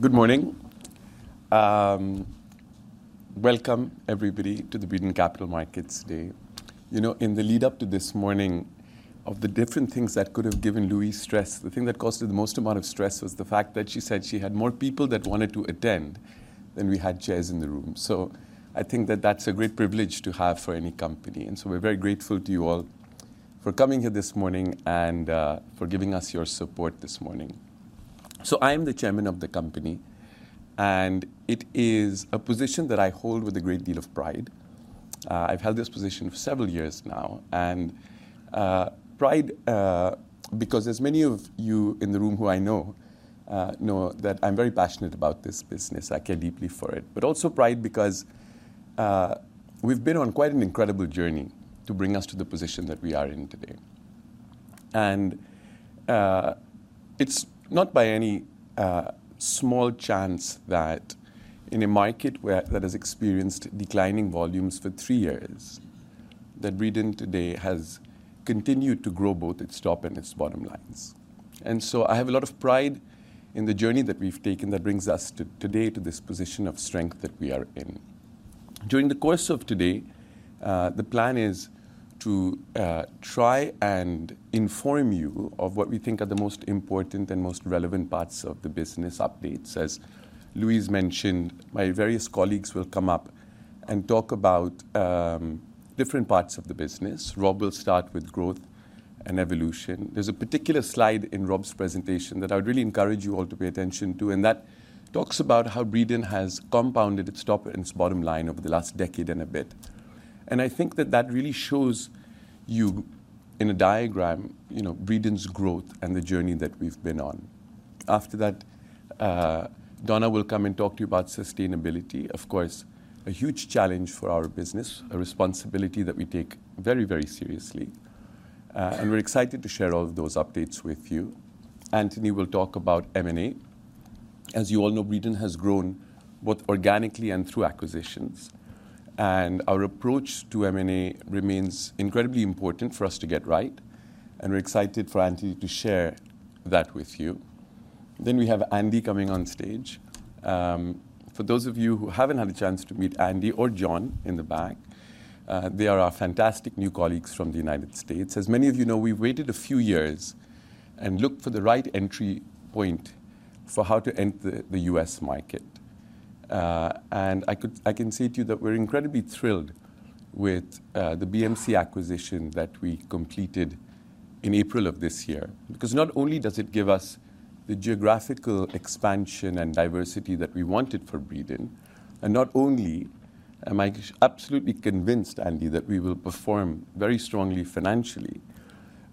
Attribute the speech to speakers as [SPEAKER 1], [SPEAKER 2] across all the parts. [SPEAKER 1] Good morning. Welcome, everybody, to the Breedon Capital Markets Day. You know, in the lead-up to this morning, of the different things that could have given Louise stress, the thing that caused her the most amount of stress was the fact that she said she had more people that wanted to attend than we had chairs in the room. So I think that that's a great privilege to have for any company. And so we're very grateful to you all for coming here this morning and for giving us your support this morning. So I am the chairman of the company, and it is a position that I hold with a great deal of pride. I've held this position for several years now. And pride, because as many of you in the room who I know know that I'm very passionate about this business. I care deeply for it. But also pride because we've been on quite an incredible journey to bring us to the position that we are in today. And it's not by any small chance that in a market where that has experienced declining volumes for three years, that Breedon today has continued to grow both its top and its bottom lines. And so I have a lot of pride in the journey that we've taken that brings us today to this position of strength that we are in. During the course of today, the plan is to try and inform you of what we think are the most important and most relevant parts of the business updates. As Louise mentioned, my various colleagues will come up and talk about different parts of the business. Rob will start with growth and evolution. There's a particular slide in Rob's presentation that I would really encourage you all to pay attention to, and that talks about how Breedon has compounded its top and its bottom line over the last decade and a bit. And I think that really shows you in a diagram, you know, Breedon's growth and the journey that we've been on. After that, Donna will come and talk to you about sustainability. Of course, a huge challenge for our business, a responsibility that we take very, very seriously. And we're excited to share all of those updates with you. Anthony will talk about M&A. As you all know, Breedon has grown both organically and through acquisitions. And our approach to M&A remains incredibly important for us to get right. And we're excited for Anthony to share that with you. Then we have Andy coming on stage. For those of you who haven't had a chance to meet Andy or John in the back, they are our fantastic new colleagues from the United States. As many of you know, we've waited a few years and looked for the right entry point for how to enter the U.S. market. And I can say to you that we're incredibly thrilled with the BMC acquisition that we completed in April of this year. Because not only does it give us the geographical expansion and diversity that we wanted for Breedon, and not only am I absolutely convinced, Andy, that we will perform very strongly financially,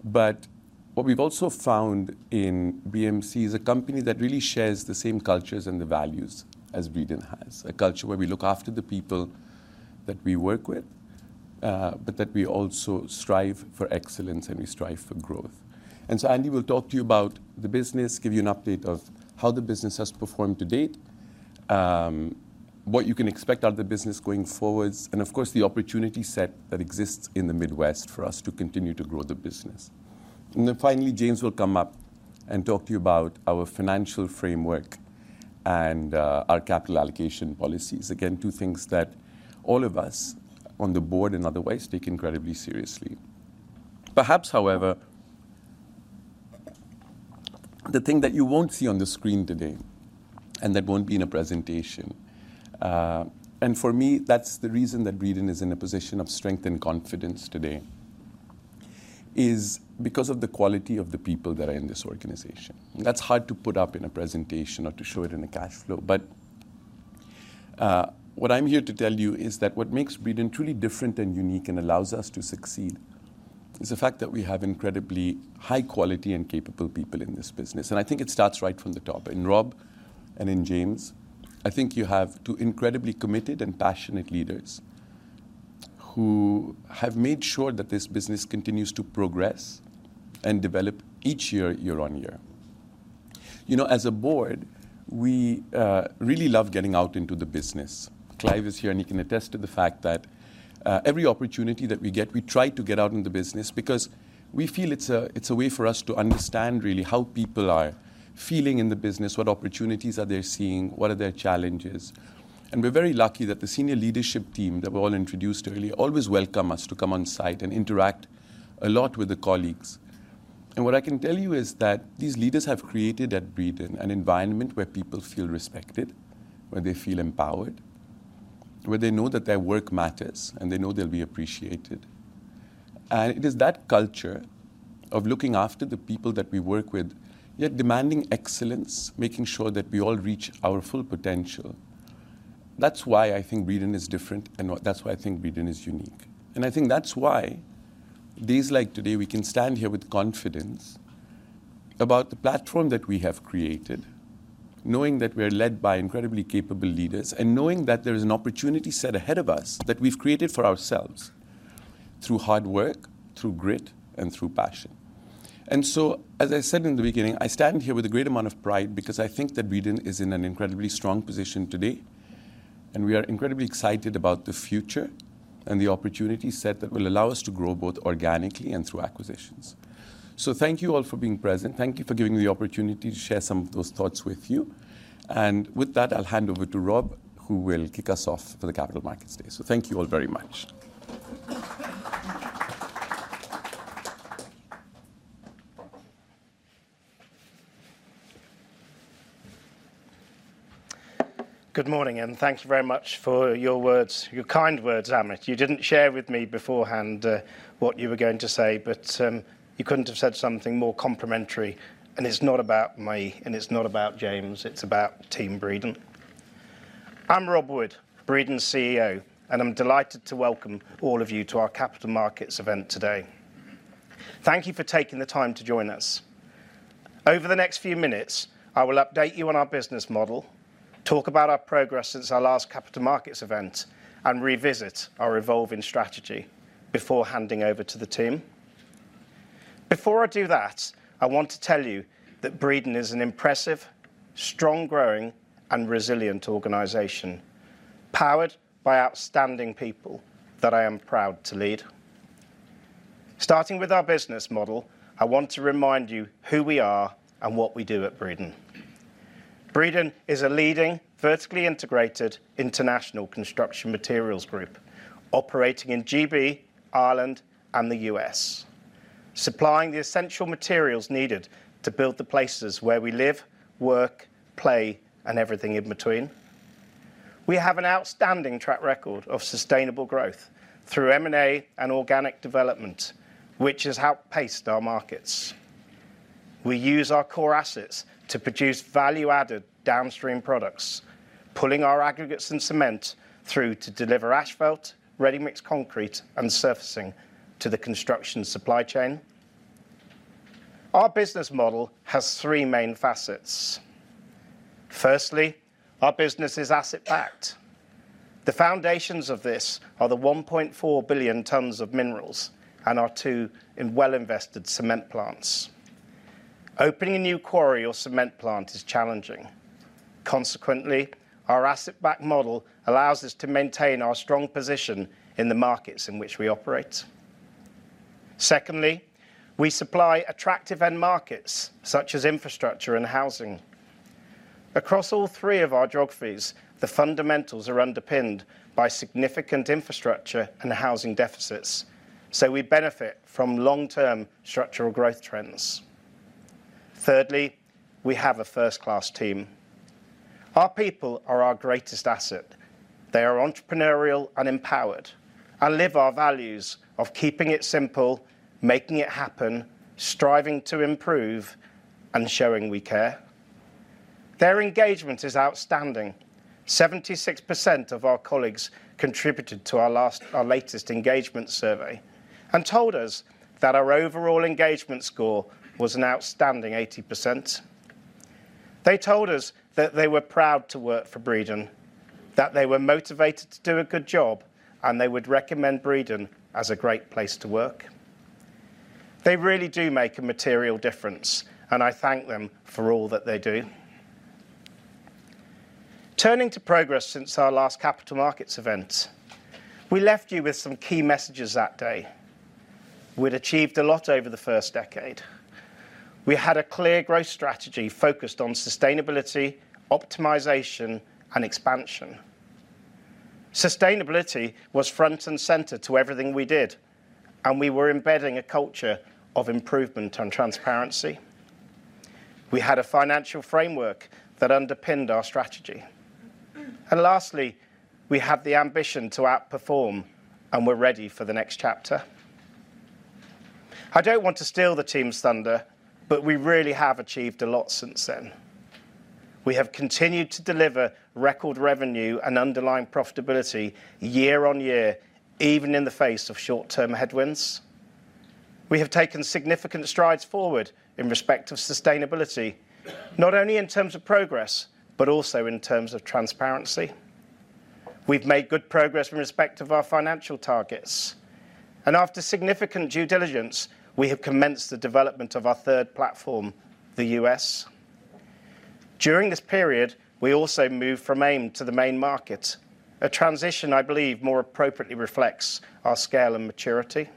[SPEAKER 1] but what we've also found in BMC is a company that really shares the same cultures and the values as Breedon has. A culture where we look after the people that we work with, but that we also strive for excellence and we strive for growth. And so Andy will talk to you about the business, give you an update of how the business has performed to date, what you can expect out of the business going forward, and of course the opportunity set that exists in the Midwest for us to continue to grow the business. And then finally, James will come up and talk to you about our financial framework and our capital allocation policies. Again, two things that all of us on the board and otherwise take incredibly seriously. Perhaps, however, the thing that you won't see on the screen today and that won't be in a presentation, and for me, that's the reason that Breedon is in a position of strength and confidence today, is because of the quality of the people that are in this organization. That's hard to put up in a presentation or to show it in a cash flow, but what I'm here to tell you is that what makes Breedon truly different and unique and allows us to succeed is the fact that we have incredibly high-quality and capable people in this business, and I think it starts right from the top. In Rob and in James, I think you have two incredibly committed and passionate leaders who have made sure that this business continues to progress and develop each year, year on year. You know, as a board, we really love getting out into the business. Clive is here, and he can attest to the fact that every opportunity that we get, we try to get out in the business because we feel it's a way for us to understand really how people are feeling in the business, what opportunities are they seeing, what are their challenges. And we're very lucky that the senior leadership team that we all introduced earlier always welcome us to come on site and interact a lot with the colleagues. And what I can tell you is that these leaders have created at Breedon an environment where people feel respected, where they feel empowered, where they know that their work matters and they know they'll be appreciated. And it is that culture of looking after the people that we work with, yet demanding excellence, making sure that we all reach our full potential. That's why I think Breedon is different, and that's why I think Breedon is unique. And I think that's why days like today, we can stand here with confidence about the platform that we have created, knowing that we're led by incredibly capable leaders and knowing that there is an opportunity set ahead of us that we've created for ourselves through hard work, through grit, and through passion. And so, as I said in the beginning, I stand here with a great amount of pride because I think that Breedon is in an incredibly strong position today, and we are incredibly excited about the future and the opportunity set that will allow us to grow both organically and through acquisitions. Thank you all for being present. Thank you for giving me the opportunity to share some of those thoughts with you. With that, I'll hand over to Rob, who will kick us off for the Capital Markets Day. Thank you all very much.
[SPEAKER 2] Good morning, and thank you very much for your words, your kind words, Amit. You didn't share with me beforehand what you were going to say, but you couldn't have said something more complimentary, and it's not about me, and it's not about James. It's about Team Breedon. I'm Rob Wood, Breedon CEO, and I'm delighted to welcome all of you to our Capital Markets event today. Thank you for taking the time to join us. Over the next few minutes, I will update you on our business model, talk about our progress since our last Capital Markets event, and revisit our evolving strategy before handing over to the team. Before I do that, I want to tell you that Breedon is an impressive, strong-growing, and resilient organization powered by outstanding people that I am proud to lead. Starting with our business model, I want to remind you who we are and what we do at Breedon. Breedon is a leading, vertically integrated international construction materials group operating in GB, Ireland, and the U.S., supplying the essential materials needed to build the places where we live, work, play, and everything in between. We have an outstanding track record of sustainable growth through M&A and organic development, which has helped pace our markets. We use our core assets to produce value-added downstream products, pulling our aggregates and cement through to deliver asphalt, ready-mix concrete, and surfacing to the construction supply chain. Our business model has three main facets. Firstly, our business is asset-backed. The foundations of this are the 1.4 billion tons of minerals and our two well-invested cement plants. Opening a new quarry or cement plant is challenging. Consequently, our asset-backed model allows us to maintain our strong position in the markets in which we operate. Secondly, we supply attractive end markets such as infrastructure and housing. Across all three of our geographies, the fundamentals are underpinned by significant infrastructure and housing deficits, so we benefit from long-term structural growth trends. Thirdly, we have a first-class team. Our people are our greatest asset. They are entrepreneurial and empowered and live our values of keeping it simple, making it happen, striving to improve, and showing we care. Their engagement is outstanding. 76% of our colleagues contributed to our latest engagement survey and told us that our overall engagement score was an outstanding 80%. They told us that they were proud to work for Breedon, that they were motivated to do a good job, and they would recommend Breedon as a great place to work. They really do make a material difference, and I thank them for all that they do. Turning to progress since our last Capital Markets event, we left you with some key messages that day. We'd achieved a lot over the first decade. We had a clear growth strategy focused on sustainability, optimization, and expansion. Sustainability was front and center to everything we did, and we were embedding a culture of improvement and transparency. We had a financial framework that underpinned our strategy. And lastly, we had the ambition to outperform, and we're ready for the next chapter. I don't want to steal the team's thunder, but we really have achieved a lot since then. We have continued to deliver record revenue and underlying profitability year on year, even in the face of short-term headwinds. We have taken significant strides forward in respect of sustainability, not only in terms of progress, but also in terms of transparency. We've made good progress in respect of our financial targets, and after significant due diligence, we have commenced the development of our third platform, the U.S. During this period, we also moved from AIM to the Main Market, a transition I believe more appropriately reflects our scale and maturity.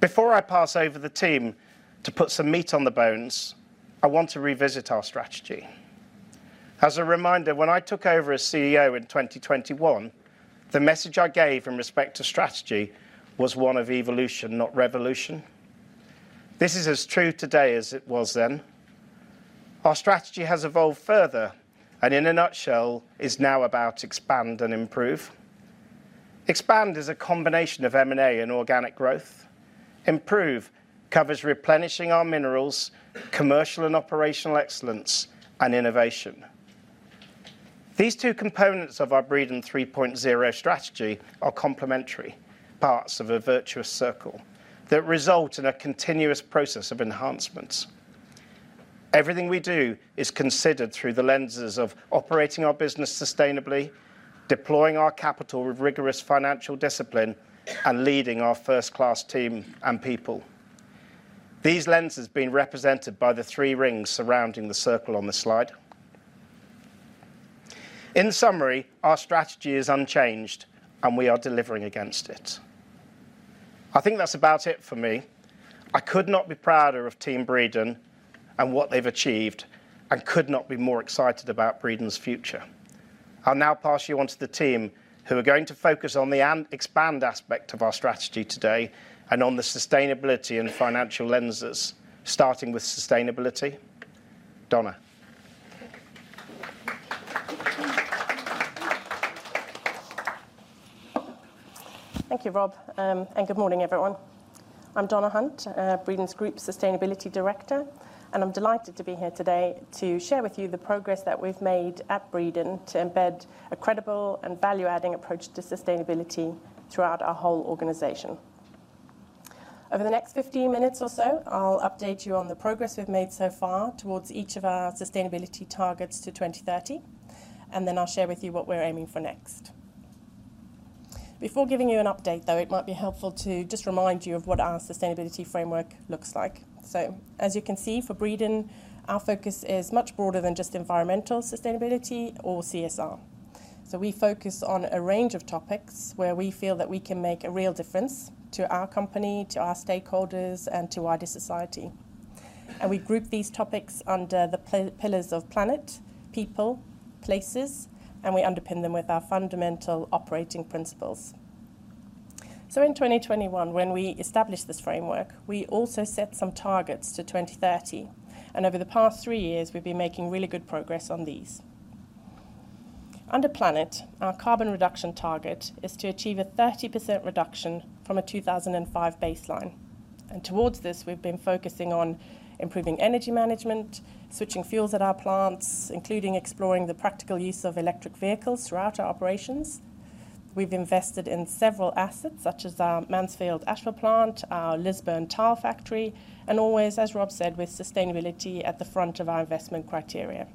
[SPEAKER 2] Before I pass over the team to put some meat on the bones, I want to revisit our strategy. As a reminder, when I took over as CEO in 2021, the message I gave in respect to strategy was one of evolution, not revolution. This is as true today as it was then. Our strategy has evolved further, and in a nutshell, is now about expand and improve. Expand is a combination of M&A and organic growth. Improve covers replenishing our minerals, commercial and operational excellence, and innovation. These two components of our Breedon 3.0 strategy are complementary parts of a virtuous circle that result in a continuous process of enhancements. Everything we do is considered through the lenses of operating our business sustainably, deploying our capital with rigorous financial discipline, and leading our first-class team and people. These lenses have been represented by the three rings surrounding the circle on the slide. In summary, our strategy is unchanged, and we are delivering against it. I think that's about it for me. I could not be prouder of Team Breedon and what they've achieved, and could not be more excited about Breedon's future. I'll now pass you on to the team who are going to focus on the expand aspect of our strategy today and on the sustainability and financial lenses, starting with sustainability. Donna.
[SPEAKER 3] Thank you, Rob, and good morning, everyone. I'm Donna Hunt, Breedon's Group Sustainability Director, and I'm delighted to be here today to share with you the progress that we've made at Breedon to embed a credible and value-adding approach to sustainability throughout our whole organization. Over the next 15 minutes or so, I'll update you on the progress we've made so far towards each of our sustainability targets to 2030, and then I'll share with you what we're aiming for next. Before giving you an update, though, it might be helpful to just remind you of what our sustainability framework looks like. So, as you can see, for Breedon, our focus is much broader than just environmental sustainability or CSR. So we focus on a range of topics where we feel that we can make a real difference to our company, to our stakeholders, and to wider society. We group these topics under the pillars of Planet, People, Places, and we underpin them with our fundamental operating Principles. In 2021, when we established this framework, we also set some targets to 2030, and over the past three years, we've been making really good progress on these. Under Planet, our carbon reduction target is to achieve a 30% reduction from a 2005 baseline. Towards this, we've been focusing on improving energy management, switching fuels at our plants, including exploring the practical use of electric vehicles throughout our operations. We've invested in several assets, such as our Mansfield asphalt plant, our Lisburn tile factory, and always, as Rob said, with sustainability at the front of our investment criteria.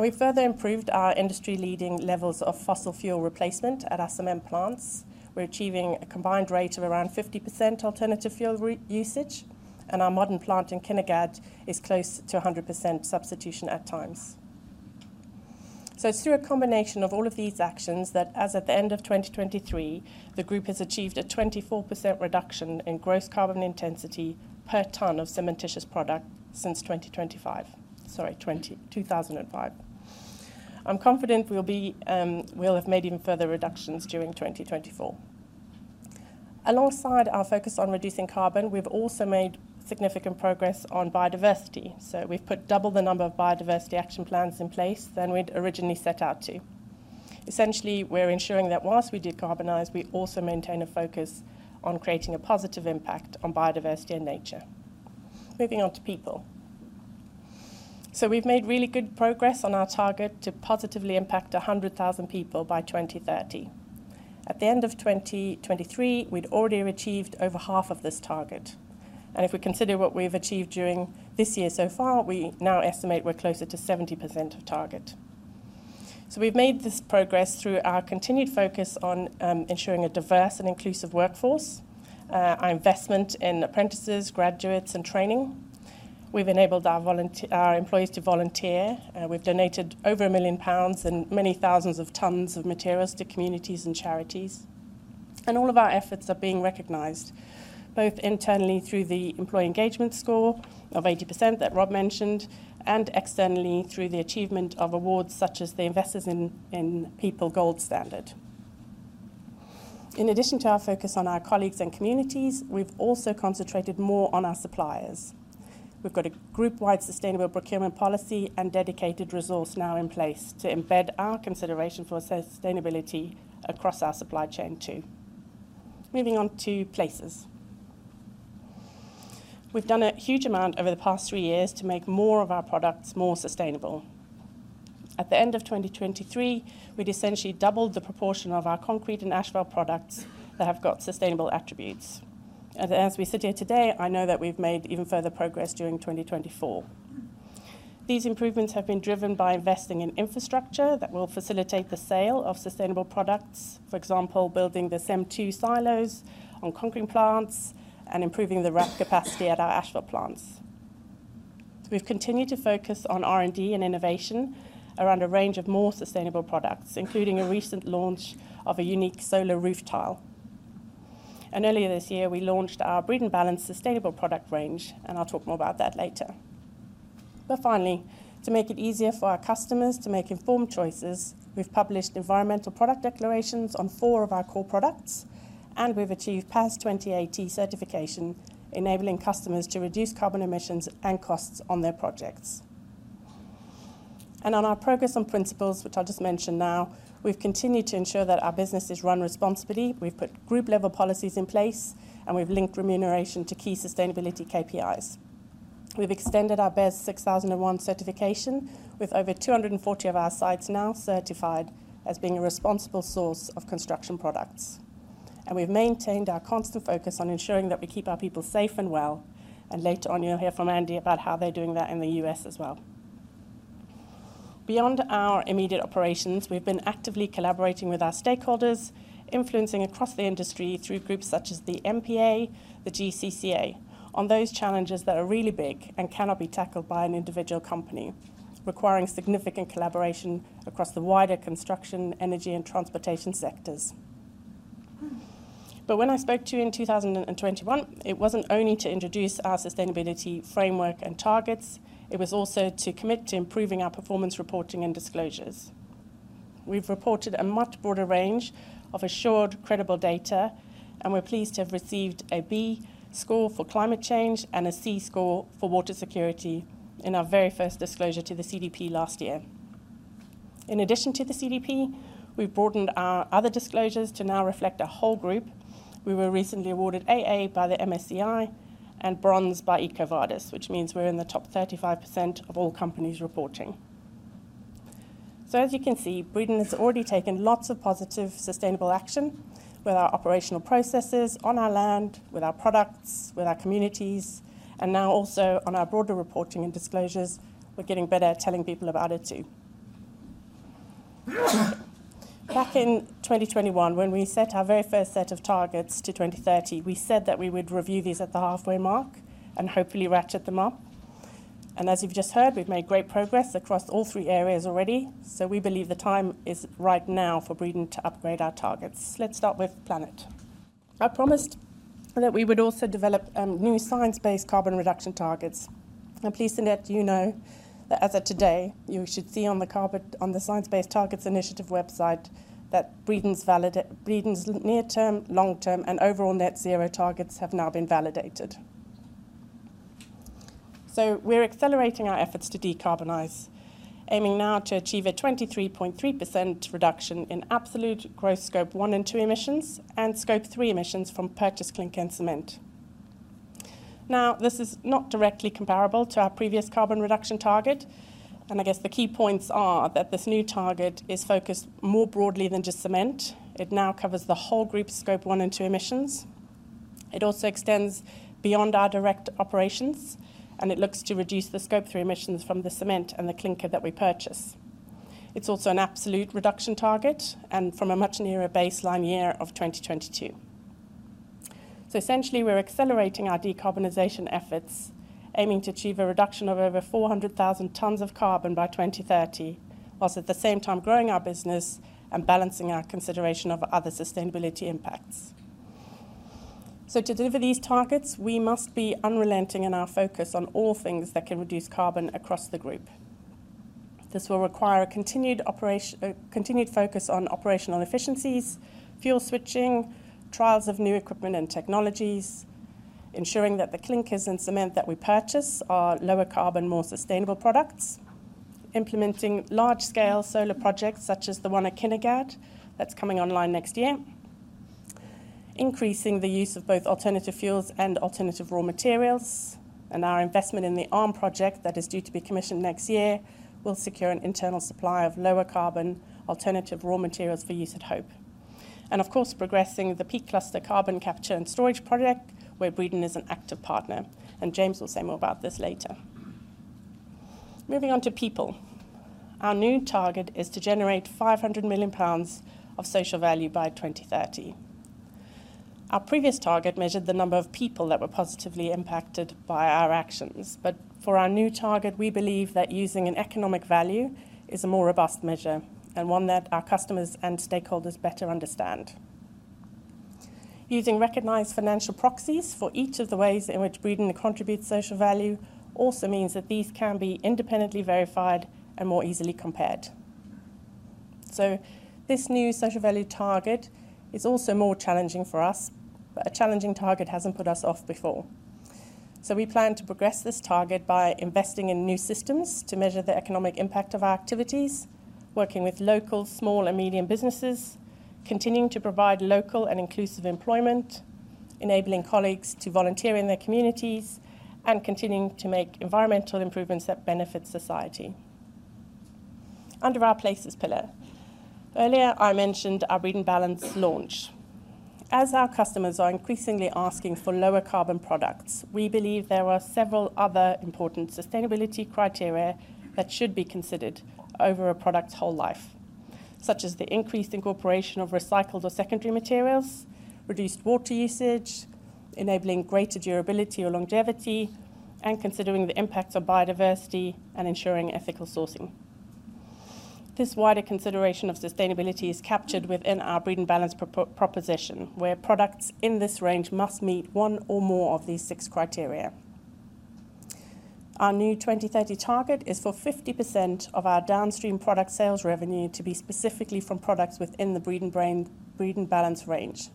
[SPEAKER 3] We've further improved our industry-leading levels of fossil fuel replacement at our cement plants. We're achieving a combined rate of around 50% alternative fuel usage, and our modern plant in Kinnegad is close to 100% substitution at times. So, it's through a combination of all of these actions that, as at the end of 2023, the group has achieved a 24% reduction in gross carbon intensity per ton of cementitious product since 2025, sorry, 2005. I'm confident we'll be, we'll have made even further reductions during 2024. Alongside our focus on reducing carbon, we've also made significant progress on biodiversity. So, we've put double the number of biodiversity action plans in place than we'd originally set out to. Essentially, we're ensuring that while we decarbonize, we also maintain a focus on creating a positive impact on biodiversity and nature. Moving on to People. So, we've made really good progress on our target to positively impact 100,000 people by 2030. At the end of 2023, we'd already achieved over half of this target. And if we consider what we've achieved during this year so far, we now estimate we're closer to 70% of target. So, we've made this progress through our continued focus on ensuring a diverse and inclusive workforce, our investment in apprentices, graduates, and training. We've enabled our employees to volunteer. We've donated over 1 million pounds and many thousands of tons of materials to communities and charities. And all of our efforts are being recognized, both internally through the employee engagement score of 80% that Rob mentioned, and externally through the achievement of awards such as the Investors in People Gold Standard. In addition to our focus on our colleagues and communities, we've also concentrated more on our suppliers. We've got a group-wide sustainable procurement policy and dedicated resource now in place to embed our consideration for sustainability across our supply chain too. Moving on to Places. We've done a huge amount over the past three years to make more of our products more sustainable. At the end of 2023, we'd essentially doubled the proportion of our concrete and asphalt products that have got sustainable attributes and as we sit here today, I know that we've made even further progress during 2024. These improvements have been driven by investing in infrastructure that will facilitate the sale of sustainable products, for example, building the CEM II silos on concrete plants and improving the RAP capacity at our asphalt plants. We've continued to focus on R&D and innovation around a range of more sustainable products, including a recent launch of a unique solar roof tile. And earlier this year, we launched our Breedon Balance sustainable product range, and I'll talk more about that later. But finally, to make it easier for our customers to make informed choices, we've published environmental product declarations on four of our core products, and we've achieved PAS 2080 certification, enabling customers to reduce carbon emissions and costs on their projects. And on our progress on Principles, which I'll just mention now, we've continued to ensure that our business is run responsibly. We've put group-level policies in place, and we've linked remuneration to key sustainability KPIs. We've extended our BES 6001 certification with over 240 of our sites now certified as being a responsible source of construction products. And we've maintained our constant focus on ensuring that we keep our people safe and well. And later on, you'll hear from Andy about how they're doing that in the U.S. as well. Beyond our immediate operations, we've been actively collaborating with our stakeholders, influencing across the industry through groups such as the MPA, the GCCA, on those challenges that are really big and cannot be tackled by an individual company, requiring significant collaboration across the wider construction, energy, and transportation sectors. But when I spoke to you in 2021, it wasn't only to introduce our sustainability framework and targets. It was also to commit to improving our performance reporting and disclosures. We've reported a much broader range of assured, credible data, and we're pleased to have received a B score for climate change and a C score for water security in our very first disclosure to the CDP last year. In addition to the CDP, we've broadened our other disclosures to now reflect a whole group. We were recently awarded AA by the MSCI and Bronze by EcoVadis, which means we're in the top 35% of all companies reporting. So, as you can see, Breedon has already taken lots of positive sustainable action with our operational processes, on our land, with our products, with our communities, and now also on our broader reporting and disclosures. We're getting better at telling people about it too. Back in 2021, when we set our very first set of targets to 2030, we said that we would review these at the halfway mark and hopefully ratchet them up. And as you've just heard, we've made great progress across all three areas already. So, we believe the time is right now for Breedon to upgrade our targets. Let's start with Planet. I promised that we would also develop new science-based carbon reduction targets. I'm pleased to let you know that as of today, you should see on the SBTi website that Breedon's validated near-term, long-term, and overall net zero targets have now been validated. So, we're accelerating our efforts to decarbonize, aiming now to achieve a 23.3% reduction in absolute gross Scope 1 and 2 emissions and Scope 3 emissions from purchased clinker and cement. Now, this is not directly comparable to our previous carbon reduction target, and I guess the key points are that this new target is focused more broadly than just cement. It now covers the whole group's Scope 1 and 2 emissions. It also extends beyond our direct operations, and it looks to reduce the Scope 3 emissions from the cement and the clinker that we purchase. It's also an absolute reduction target and from a much nearer baseline year of 2022. So, essentially, we're accelerating our decarbonization efforts, aiming to achieve a reduction of over 400,000 tons of carbon by 2030, whilst at the same time growing our business and balancing our consideration of other sustainability impacts. So, to deliver these targets, we must be unrelenting in our focus on all things that can reduce carbon across the group. This will require a continued operation, continued focus on operational efficiencies, fuel switching, trials of new equipment and technologies, ensuring that the clinkers and cement that we purchase are lower carbon, more sustainable products, implementing large-scale solar projects such as the one at Kinnegad that's coming online next year, increasing the use of both alternative fuels and alternative raw materials, and our investment in the ARM project that is due to be commissioned next year will secure an internal supply of lower carbon alternative raw materials for use at Hope. Of course, progressing the Peak Cluster carbon capture and storage project, where Breedon is an active partner, and James will say more about this later. Moving on to People. Our new target is to generate 500 million pounds of social value by 2030. Our previous target measured the number of people that were positively impacted by our actions, but for our new target, we believe that using an economic value is a more robust measure and one that our customers and stakeholders better understand. Using recognized financial proxies for each of the ways in which Breedon contributes social value also means that these can be independently verified and more easily compared. This new social value target is also more challenging for us, but a challenging target hasn't put us off before. We plan to progress this target by investing in new systems to measure the economic impact of our activities, working with local, small, and medium businesses, continuing to provide local and inclusive employment, enabling colleagues to volunteer in their communities, and continuing to make environmental improvements that benefit society. Under our places pillar, earlier I mentioned our Breedon Balance launch. As our customers are increasingly asking for lower carbon products, we believe there are several other important sustainability criteria that should be considered over a product's whole life, such as the increased incorporation of recycled or secondary materials, reduced water usage, enabling greater durability or longevity, and considering the impacts of biodiversity and ensuring ethical sourcing. This wider consideration of sustainability is captured within our Breedon Balance proposition, where products in this range must meet one or more of these six criteria. Our new 2030 target is for 50% of our downstream product sales revenue to be specifically from products within the Breedon Balance range.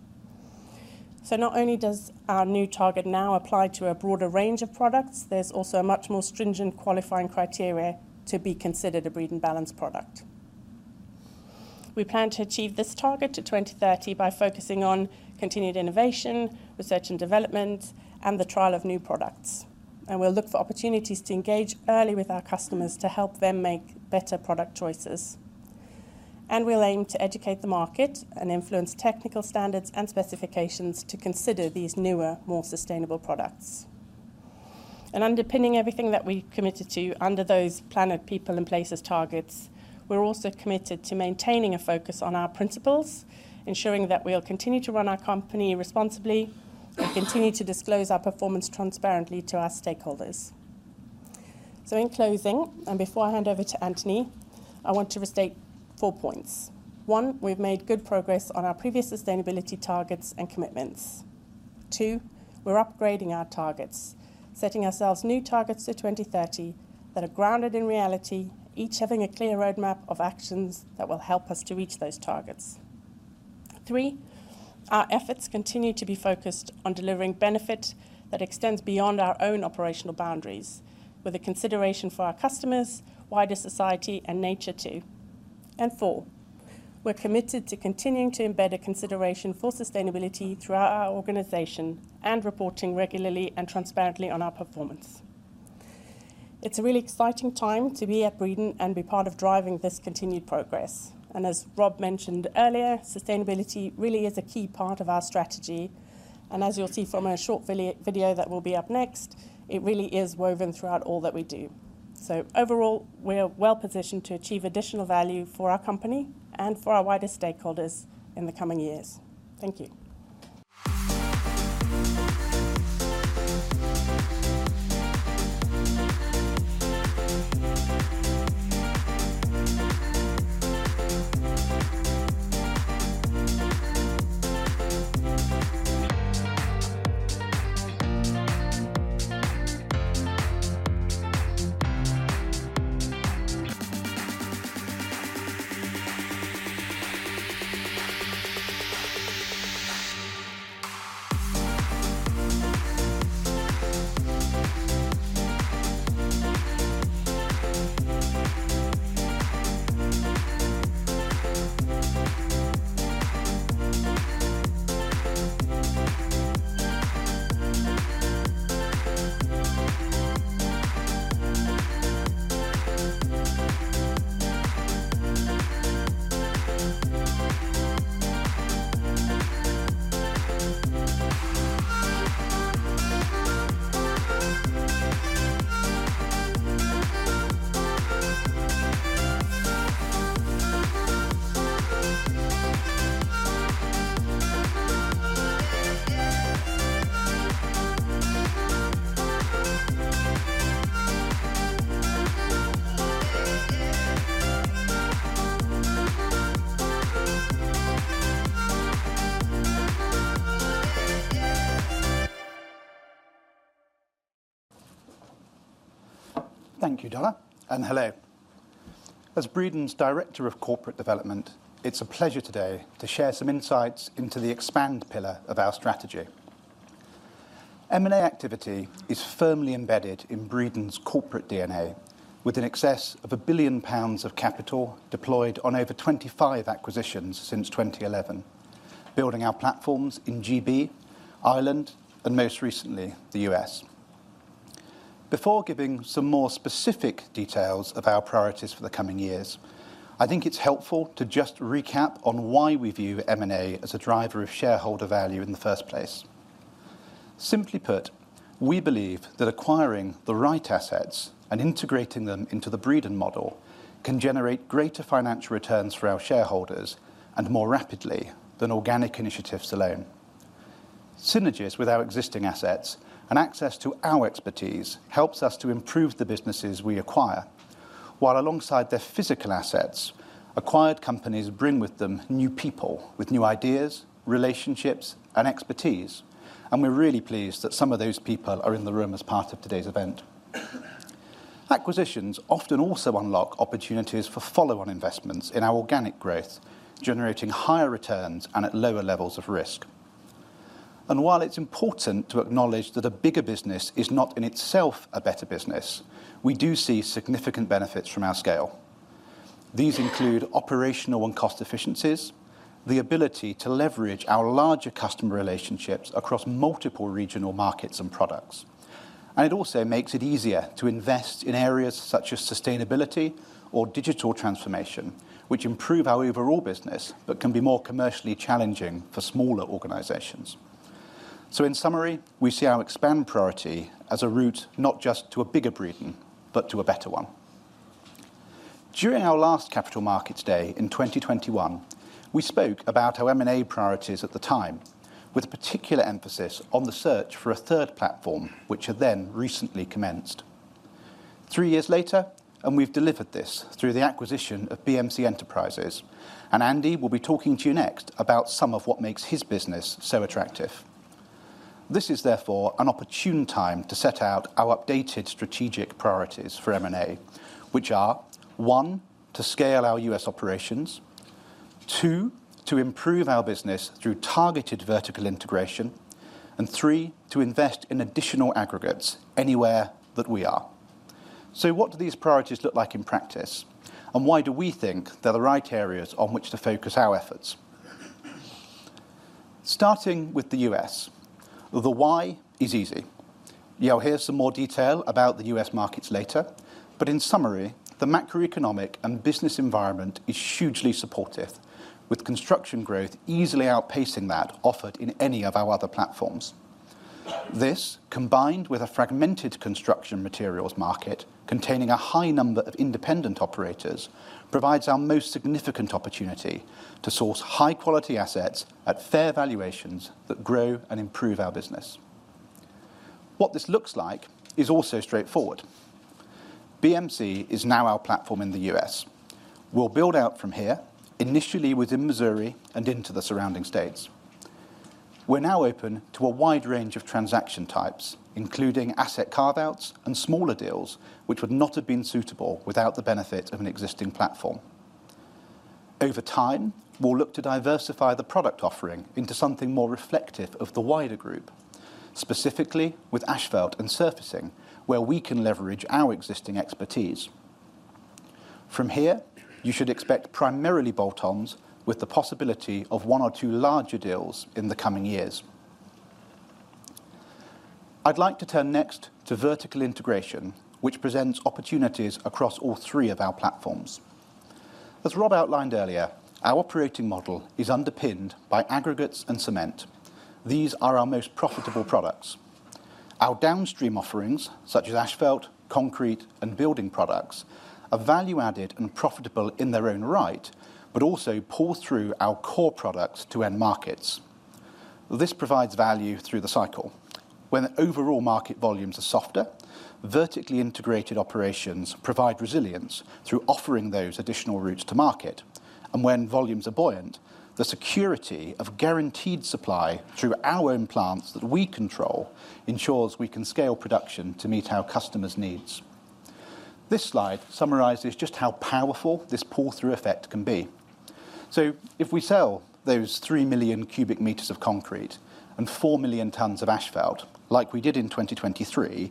[SPEAKER 3] So, not only does our new target now apply to a broader range of products, there's also a much more stringent qualifying criteria to be considered a Breedon Balance product. We plan to achieve this target to 2030 by focusing on continued innovation, research and development, and the trial of new products. And we'll look for opportunities to engage early with our customers to help them make better product choices. And we'll aim to educate the market and influence technical standards and specifications to consider these newer, more sustainable products. And underpinning everything that we've committed to under those Planet, People, and Places targets, we're also committed to maintaining a focus on our Principles, ensuring that we'll continue to run our company responsibly and continue to disclose our performance transparently to our stakeholders. So, in closing, and before I hand over to Anthony, I want to restate four points. One, we've made good progress on our previous sustainability targets and commitments. Two, we're upgrading our targets, setting ourselves new targets to 2030 that are grounded in reality, each having a clear roadmap of actions that will help us to reach those targets. Three, our efforts continue to be focused on delivering benefit that extends beyond our own operational boundaries, with a consideration for our customers, wider society, and nature too. Four, we're committed to continuing to embed a consideration for sustainability throughout our organization and reporting regularly and transparently on our performance. It's a really exciting time to be at Breedon and be part of driving this continued progress. As Rob mentioned earlier, sustainability really is a key part of our strategy. As you'll see from a short video that will be up next, it really is woven throughout all that we do. Overall, we're well positioned to achieve additional value for our company and for our wider stakeholders in the coming years. Thank you.
[SPEAKER 4] Thank you, Donna. Hello. As Breedon's Director of Corporate Development, it's a pleasure today to share some insights into the expand pillar of our strategy. M&A activity is firmly embedded in Breedon's corporate DNA, with an excess of 1 billion pounds of capital deployed on over 25 acquisitions since 2011, building our platforms in GB, Ireland, and most recently, the U.S. Before giving some more specific details of our priorities for the coming years, I think it's helpful to just recap on why we view M&A as a driver of shareholder value in the first place. Simply put, we believe that acquiring the right assets and integrating them into the Breedon model can generate greater financial returns for our shareholders and more rapidly than organic initiatives alone. Synergies with our existing assets and access to our expertise helps us to improve the businesses we acquire, while alongside their physical assets, acquired companies bring with them new people with new ideas, relationships, and expertise. We're really pleased that some of those people are in the room as part of today's event. Acquisitions often also unlock opportunities for follow-on investments in our organic growth, generating higher returns and at lower levels of risk. While it's important to acknowledge that a bigger business is not in itself a better business, we do see significant benefits from our scale. These include operational and cost efficiencies, the ability to leverage our larger customer relationships across multiple regional markets and products. It also makes it easier to invest in areas such as sustainability or digital transformation, which improve our overall business but can be more commercially challenging for smaller organizations. In summary, we see our expand priority as a route not just to a bigger Breedon, but to a better one. During our last capital markets day in 2021, we spoke about our M&A priorities at the time, with particular emphasis on the search for a third platform, which had then recently commenced. Three years later, and we've delivered this through the acquisition of BMC Enterprises, and Andy will be talking to you next about some of what makes his business so attractive. This is therefore an opportune time to set out our updated strategic priorities for M&A, which are: one, to scale our U.S. operations; two, to improve our business through targeted vertical integration; and three, to invest in additional aggregates anywhere that we are. So, what do these priorities look like in practice, and why do we think they're the right areas on which to focus our efforts? Starting with the U.S., the why is easy. You'll hear some more detail about the U.S. Markets later, but in summary, the macroeconomic and business environment is hugely supportive, with construction growth easily outpacing that offered in any of our other platforms. This, combined with a fragmented construction materials market containing a high number of independent operators, provides our most significant opportunity to source high-quality assets at fair valuations that grow and improve our business. What this looks like is also straightforward. BMC is now our platform in the U.S. We'll build out from here, initially within Missouri and into the surrounding states. We're now open to a wide range of transaction types, including asset carve-outs and smaller deals, which would not have been suitable without the benefit of an existing platform. Over time, we'll look to diversify the product offering into something more reflective of the wider group, specifically with asphalt and surfacing, where we can leverage our existing expertise. From here, you should expect primarily bolt-ons with the possibility of one or two larger deals in the coming years. I'd like to turn next to vertical integration, which presents opportunities across all three of our platforms. As Rob outlined earlier, our operating model is underpinned by aggregates and cement. These are our most profitable products. Our downstream offerings, such as asphalt, concrete, and building products, are value-added and profitable in their own right, but also pull through our core products to end markets. This provides value through the cycle. When overall market volumes are softer, vertically integrated operations provide resilience through offering those additional routes to market. And when volumes are buoyant, the security of guaranteed supply through our own plants that we control ensures we can scale production to meet our customers' needs. This slide summarizes just how powerful this pull-through effect can be. If we sell those three million cubic meters of concrete and four million tons of asphalt, like we did in 2023,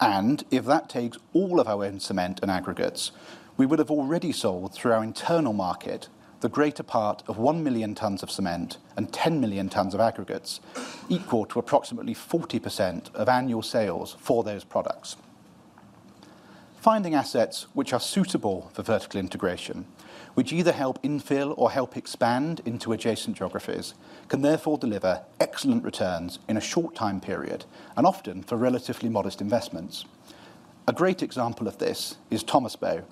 [SPEAKER 4] and if that takes all of our own cement and aggregates, we would have already sold through our internal market the greater part of one million tons of cement and 10 million tons of aggregates, equal to approximately 40% of annual sales for those products. Finding assets which are suitable for vertical integration, which either help infill or help expand into adjacent geographies, can therefore deliver excellent returns in a short time period and often for relatively modest investments. A great example of this is Thomas Bow,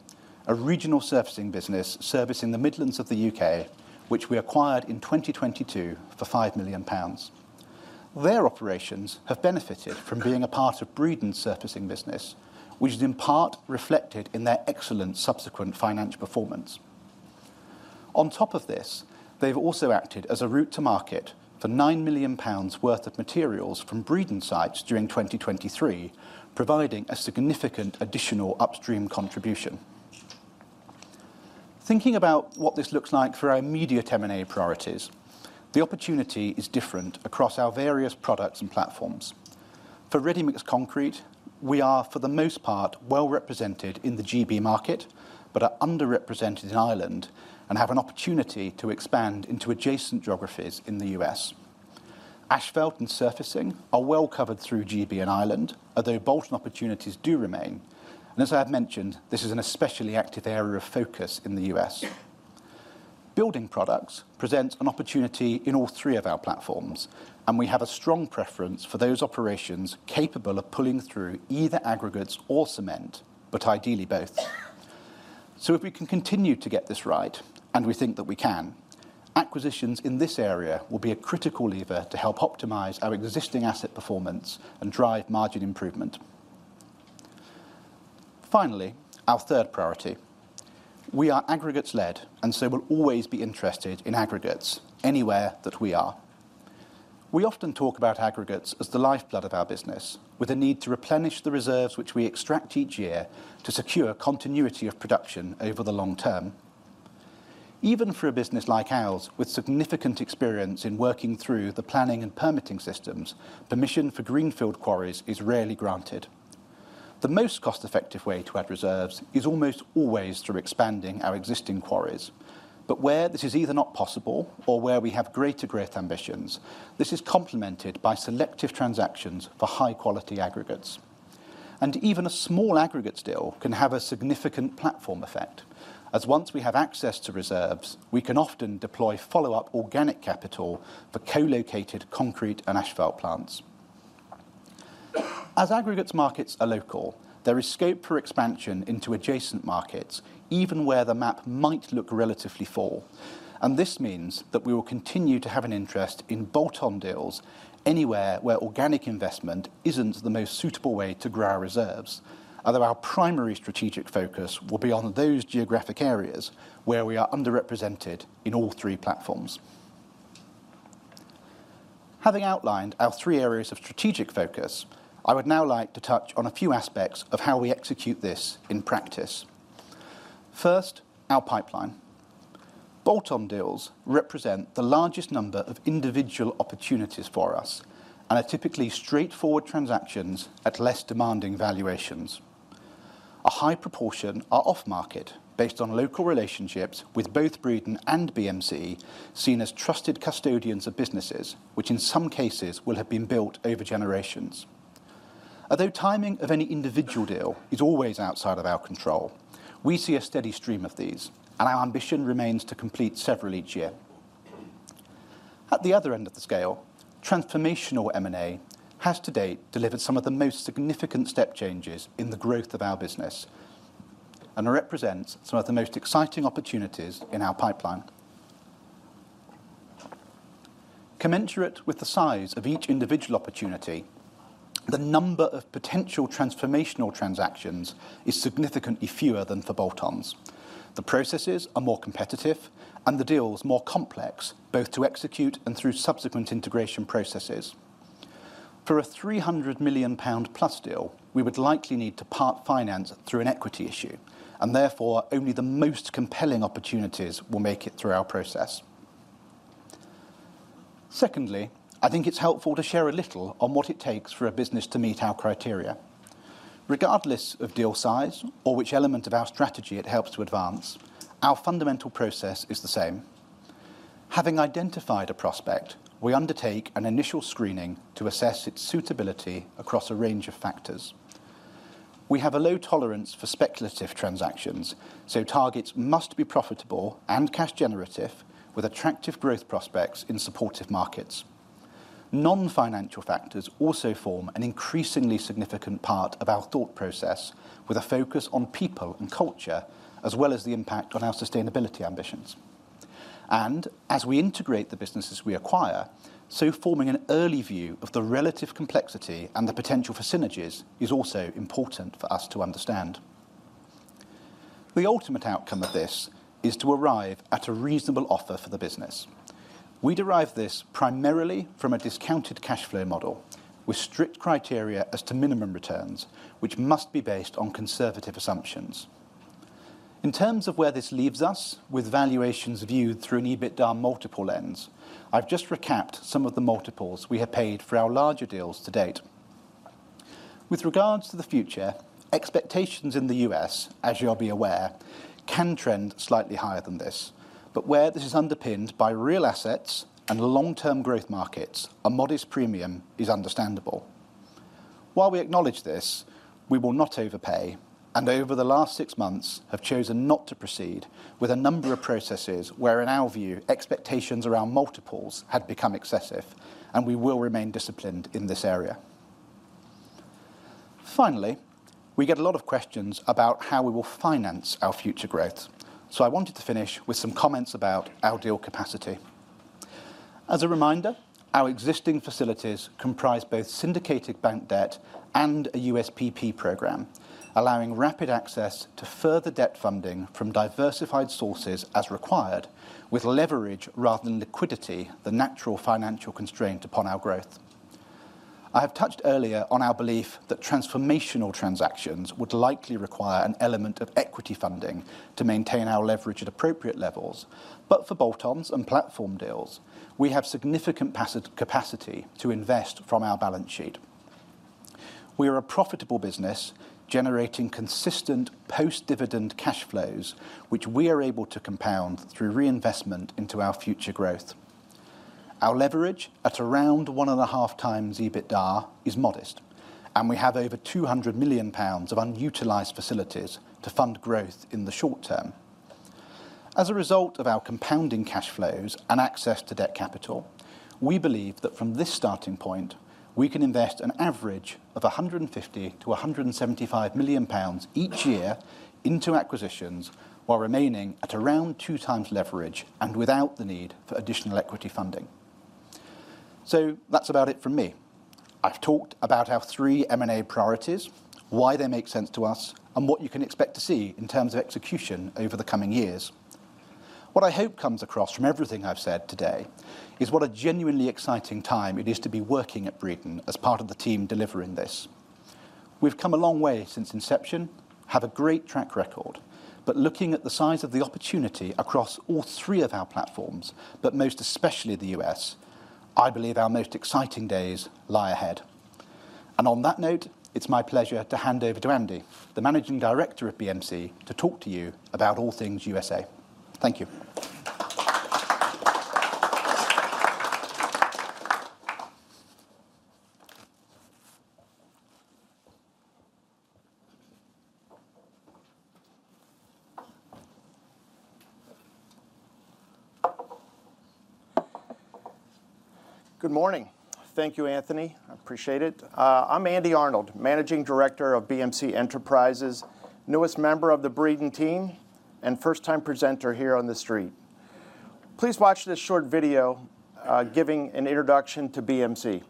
[SPEAKER 4] a regional surfacing business servicing the Midlands of the U.K., which we acquired in 2022 for 5 million pounds. Their operations have benefited from being a part of Breedon's surfacing business, which is in part reflected in their excellent subsequent financial performance. On top of this, they've also acted as a route to market for 9 million pounds worth of materials from Breedon sites during 2023, providing a significant additional upstream contribution. Thinking about what this looks like for our immediate M&A priorities, the opportunity is different across our various products and platforms. ready-mix concrete, we are for the most part well represented in the GB market, but are underrepresented in Ireland and have an opportunity to expand into adjacent geographies in the U.S. Asphalt and surfacing are well covered through GB and Ireland, although bolt-on opportunities do remain. And as I have mentioned, this is an especially active area of focus in the U.S. Building products present an opportunity in all three of our platforms, and we have a strong preference for those operations capable of pulling through either aggregates or cement, but ideally both. So, if we can continue to get this right, and we think that we can, acquisitions in this area will be a critical lever to help optimize our existing asset performance and drive margin improvement. Finally, our third priority. We are aggregates-led, and so we'll always be interested in aggregates anywhere that we are. We often talk about aggregates as the lifeblood of our business, with a need to replenish the reserves which we extract each year to secure continuity of production over the long term. Even for a business like ours, with significant experience in working through the planning and permitting systems, permission for greenfield quarries is rarely granted. The most cost-effective way to add reserves is almost always through expanding our existing quarries, but where this is either not possible or where we have greater growth ambitions, this is complemented by selective transactions for high-quality aggregates. And even a small aggregate deal can have a significant platform effect, as once we have access to reserves, we can often deploy follow-up organic capital for co-located concrete and asphalt plants. As aggregates markets are local, there is scope for expansion into adjacent markets, even where the map might look relatively full. And this means that we will continue to have an interest in bolt-on deals anywhere where organic investment isn't the most suitable way to grow our reserves, although our primary strategic focus will be on those geographic areas where we are underrepresented in all three platforms. Having outlined our three areas of strategic focus, I would now like to touch on a few aspects of how we execute this in practice. First, our pipeline. Bolt-on deals represent the largest number of individual opportunities for us and are typically straightforward transactions at less demanding valuations. A high proportion are off-market based on local relationships with both Breedon and BMC, seen as trusted custodians of businesses, which in some cases will have been built over generations. Although timing of any individual deal is always outside of our control, we see a steady stream of these, and our ambition remains to complete several each year. At the other end of the scale, transformational M&A has to date delivered some of the most significant step changes in the growth of our business and represents some of the most exciting opportunities in our pipeline. Commensurate with the size of each individual opportunity, the number of potential transformational transactions is significantly fewer than for bolt-ons. The processes are more competitive, and the deal is more complex, both to execute and through subsequent integration processes. For a 300 million pound plus deal, we would likely need to part finance through an equity issue, and therefore only the most compelling opportunities will make it through our process. Secondly, I think it's helpful to share a little on what it takes for a business to meet our criteria. Regardless of deal size or which element of our strategy it helps to advance, our fundamental process is the same. Having identified a prospect, we undertake an initial screening to assess its suitability across a range of factors. We have a low tolerance for speculative transactions, so targets must be profitable and cash-generative with attractive growth prospects in supportive markets. Non-financial factors also form an increasingly significant part of our thought process, with a focus on people and culture, as well as the impact on our sustainability ambitions. As we integrate the businesses we acquire, so forming an early view of the relative complexity and the potential for synergies is also important for us to understand. The ultimate outcome of this is to arrive at a reasonable offer for the business. We derive this primarily from a discounted cash flow model with strict criteria as to minimum returns, which must be based on conservative assumptions. In terms of where this leaves us with valuations viewed through an EBITDA multiple lens, I've just recapped some of the multiples we have paid for our larger deals to date. With regards to the future, expectations in the U.S., as you'll be aware, can trend slightly higher than this, but where this is underpinned by real assets and long-term growth markets, a modest premium is understandable. While we acknowledge this, we will not overpay, and over the last six months have chosen not to proceed with a number of processes where, in our view, expectations around multiples had become excessive, and we will remain disciplined in this area. Finally, we get a lot of questions about how we will finance our future growth, so I wanted to finish with some comments about our deal capacity. As a reminder, our existing facilities comprise both syndicated bank debt and a USPP program, allowing rapid access to further debt funding from diversified sources as required, with leverage rather than liquidity, the natural financial constraint upon our growth. I have touched earlier on our belief that transformational transactions would likely require an element of equity funding to maintain our leverage at appropriate levels, but for bolt-ons and platform deals, we have significant capacity to invest from our balance sheet. We are a profitable business generating consistent post-dividend cash flows, which we are able to compound through reinvestment into our future growth. Our leverage at around one and a half times EBITDA is modest, and we have over 200 million pounds of unutilized facilities to fund growth in the short term. As a result of our compounding cash flows and access to debt capital, we believe that from this starting point, we can invest an average of 150 million to 175 million pounds each year into acquisitions while remaining at around two times leverage and without the need for additional equity funding. So that's about it from me. I've talked about our three M&A priorities, why they make sense to us, and what you can expect to see in terms of execution over the coming years. What I hope comes across from everything I've said today is what a genuinely exciting time it is to be working at Breedon as part of the team delivering this. We've come a long way since inception, have a great track record, but looking at the size of the opportunity across all three of our platforms, but most especially the U.S., I believe our most exciting days lie ahead, and on that note, it's my pleasure to hand over to Andy, the Managing Director of BMC, to talk to you about all things USA.. Thank you.
[SPEAKER 5] Good morning. Thank you, Anthony. I appreciate it. I'm Andy Arnold, Managing Director of BMC Enterprises, newest member of the Breedon team and first-time presenter here on the street. Please watch this short video giving an introduction to BMC.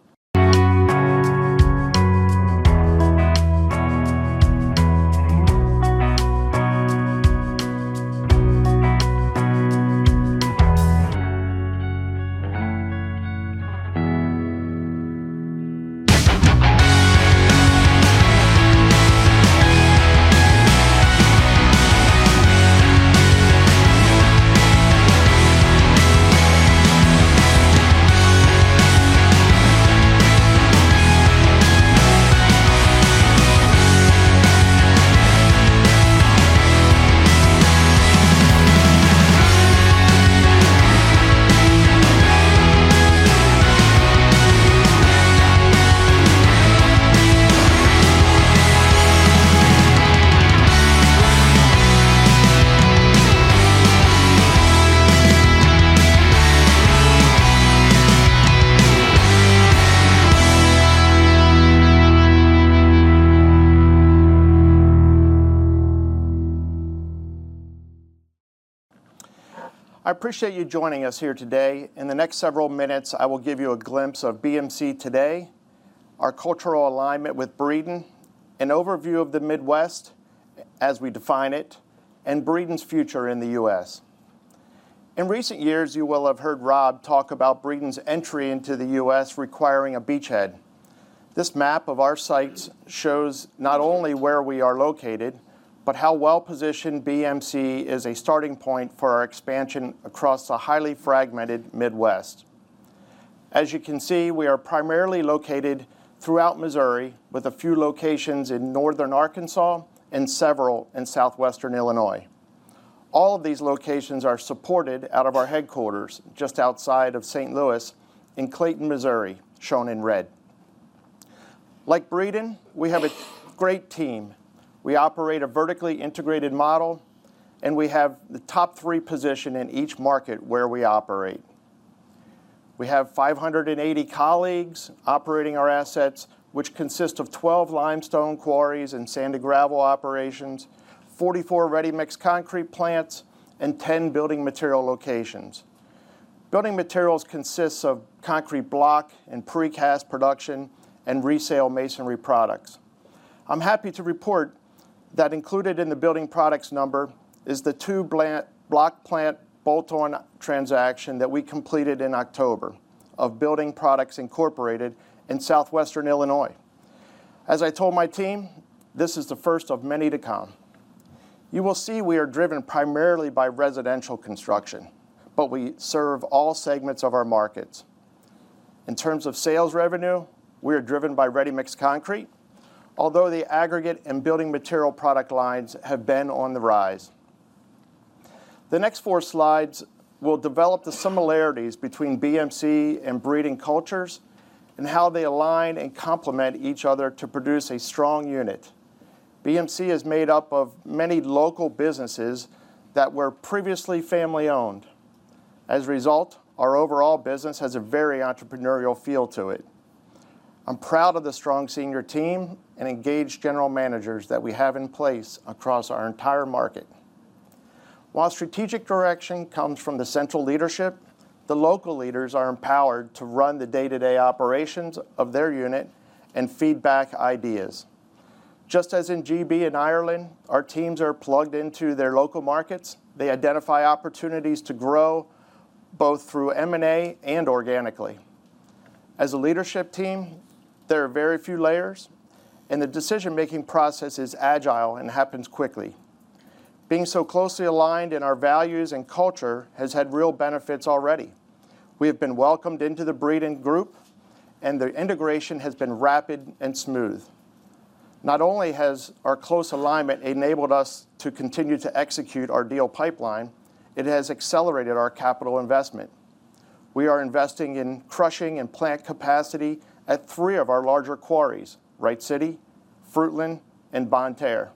[SPEAKER 5] I appreciate you joining us here today. In the next several minutes, I will give you a glimpse of BMC today, our cultural alignment with Breedon, an overview of the Midwest as we define it, and Breedon's future in the U.S. In recent years, you will have heard Rob talk about Breedon's entry into the U.S. requiring a beachhead. This map of our sites shows not only where we are located, but how well-positioned BMC is a starting point for our expansion across the highly fragmented Midwest. As you can see, we are primarily located throughout Missouri, with a few locations in northern Arkansas and several in southwestern Illinois. All of these locations are supported out of our headquarters just outside of St. Louis in Clayton, Missouri, shown in red. Like Breedon, we have a great team. We operate a vertically integrated model, and we have the top three position in each market where we operate. We have 580 colleagues operating our assets, which consist of 12 limestone quarries and sand and gravel operations, ready-mix concrete plants, and 10 building material locations. Building materials consist of concrete block and precast production and resale masonry products. I'm happy to report that included in the building products number is the two block plant bolt-on transaction that we completed in October of Building Products Incorporated in southwestern Illinois. As I told my team, this is the first of many to come. You will see we are driven primarily by residential construction, but we serve all segments of our markets. In terms of sales revenue, we are driven ready-mix concrete, although the aggregate and building material product lines have been on the rise. The next four slides will develop the similarities between BMC and Breedon cultures and how they align and complement each other to produce a strong unit. BMC is made up of many local businesses that were previously family-owned. As a result, our overall business has a very entrepreneurial feel to it. I'm proud of the strong senior team and engaged general managers that we have in place across our entire market. While strategic direction comes from the central leadership, the local leaders are empowered to run the day-to-day operations of their unit and feedback ideas. Just as in GB and Ireland, our teams are plugged into their local markets. They identify opportunities to grow both through M&A and organically. As a leadership team, there are very few layers, and the decision-making process is agile and happens quickly. Being so closely aligned in our values and culture has had real benefits already. We have been welcomed into the Breedon Group, and the integration has been rapid and smooth. Not only has our close alignment enabled us to continue to execute our deal pipeline, it has accelerated our capital investment. We are investing in crushing and plant capacity at three of our larger quarries, Wright City, Fruitland, and Bonne Terre,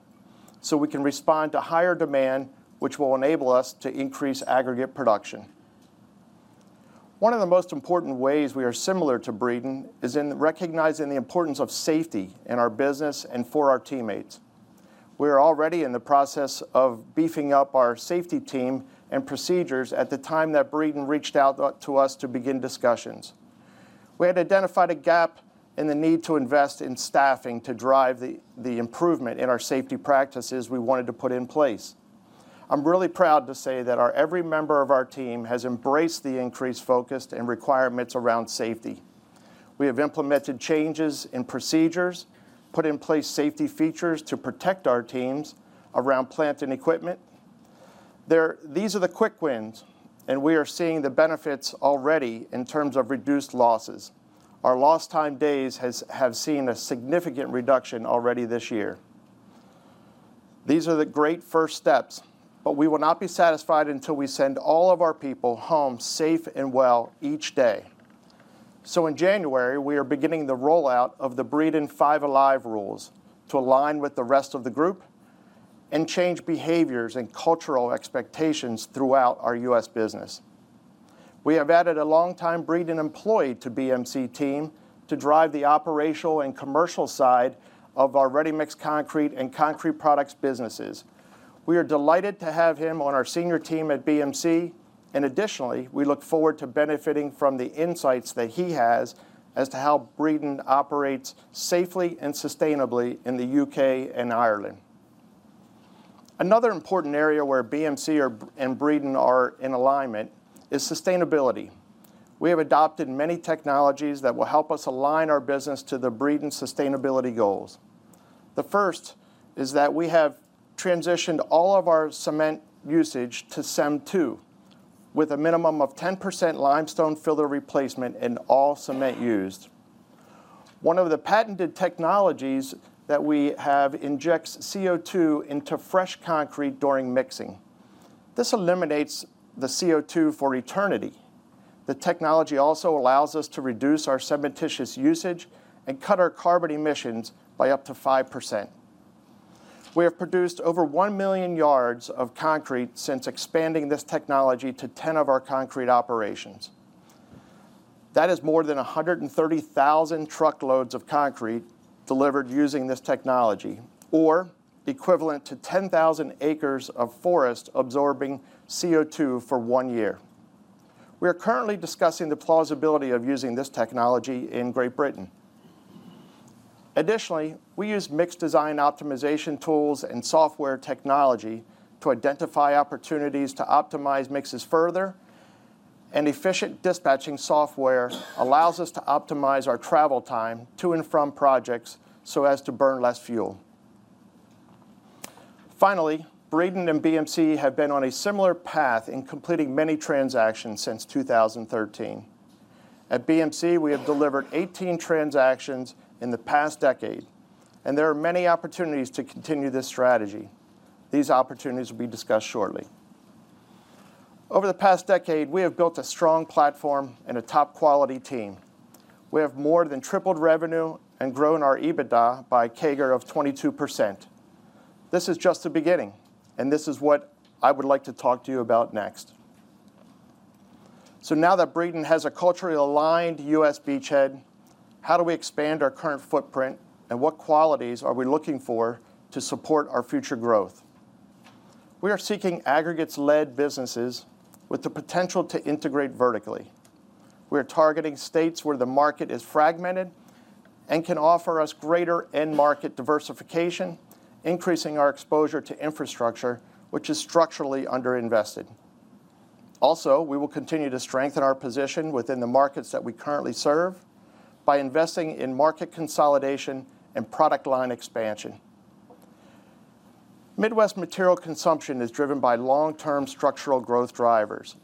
[SPEAKER 5] so we can respond to higher demand, which will enable us to increase aggregate production. One of the most important ways we are similar to Breedon is in recognizing the importance of safety in our business and for our teammates. We are already in the process of beefing up our safety team and procedures at the time that Breedon reached out to us to begin discussions. We had identified a gap in the need to invest in staffing to drive the improvement in our safety practices we wanted to put in place. I'm really proud to say that every member of our team has embraced the increased focus and requirements around safety. We have implemented changes in procedures, put in place safety features to protect our teams around plant and equipment. These are the quick wins, and we are seeing the benefits already in terms of reduced losses. Our lost time days have seen a significant reduction already this year. These are the great first steps, but we will not be satisfied until we send all of our people home safe and well each day. So in January, we are beginning the rollout of the Breedon 5 Alive rules to align with the rest of the group and change behaviors and cultural expectations throughout our U.S. business. We have added a longtime Breedon employee to BMC team to drive the operational and commercial side of ready-mix concrete and concrete products businesses. We are delighted to have him on our senior team at BMC, and additionally, we look forward to benefiting from the insights that he has as to how Breedon operates safely and sustainably in the U.K. and Ireland. Another important area where BMC and Breedon are in alignment is sustainability. We have adopted many technologies that will help us align our business to the Breedon sustainability goals. The first is that we have transitioned all of our cement usage to CEM II with a minimum of 10% limestone filler replacement in all cement used. One of the patented technologies that we have injects CO2 into fresh concrete during mixing. This eliminates the CO2 for eternity. The technology also allows us to reduce our cementitious usage and cut our carbon emissions by up to 5%. We have produced over 1 million yards of concrete since expanding this technology to 10 of our concrete operations. That is more than 130,000 truckloads of concrete delivered using this technology, or equivalent to 10,000 acres of forest absorbing CO2 for one year. We are currently discussing the plausibility of using this technology in Great Britain. Additionally, we use mix design optimization tools and software technology to identify opportunities to optimize mixes further, and efficient dispatching software allows us to optimize our travel time to and from projects so as to burn less fuel. Finally, Breedon and BMC have been on a similar path in completing many transactions since 2013. At BMC, we have delivered 18 transactions in the past decade, and there are many opportunities to continue this strategy. These opportunities will be discussed shortly. Over the past decade, we have built a strong platform and a top-quality team. We have more than tripled revenue and grown our EBITDA by a CAGR of 22%. This is just the beginning, and this is what I would like to talk to you about next. So now that Breedon has a culturally aligned U.S. beachhead, how do we expand our current footprint, and what qualities are we looking for to support our future growth? We are seeking aggregates-led businesses with the potential to integrate vertically. We are targeting states where the market is fragmented and can offer us greater end-market diversification, increasing our exposure to infrastructure, which is structurally underinvested. Also, we will continue to strengthen our position within the markets that we currently serve by investing in market consolidation and product line expansion. Midwest material consumption is driven by long-term structural growth drivers.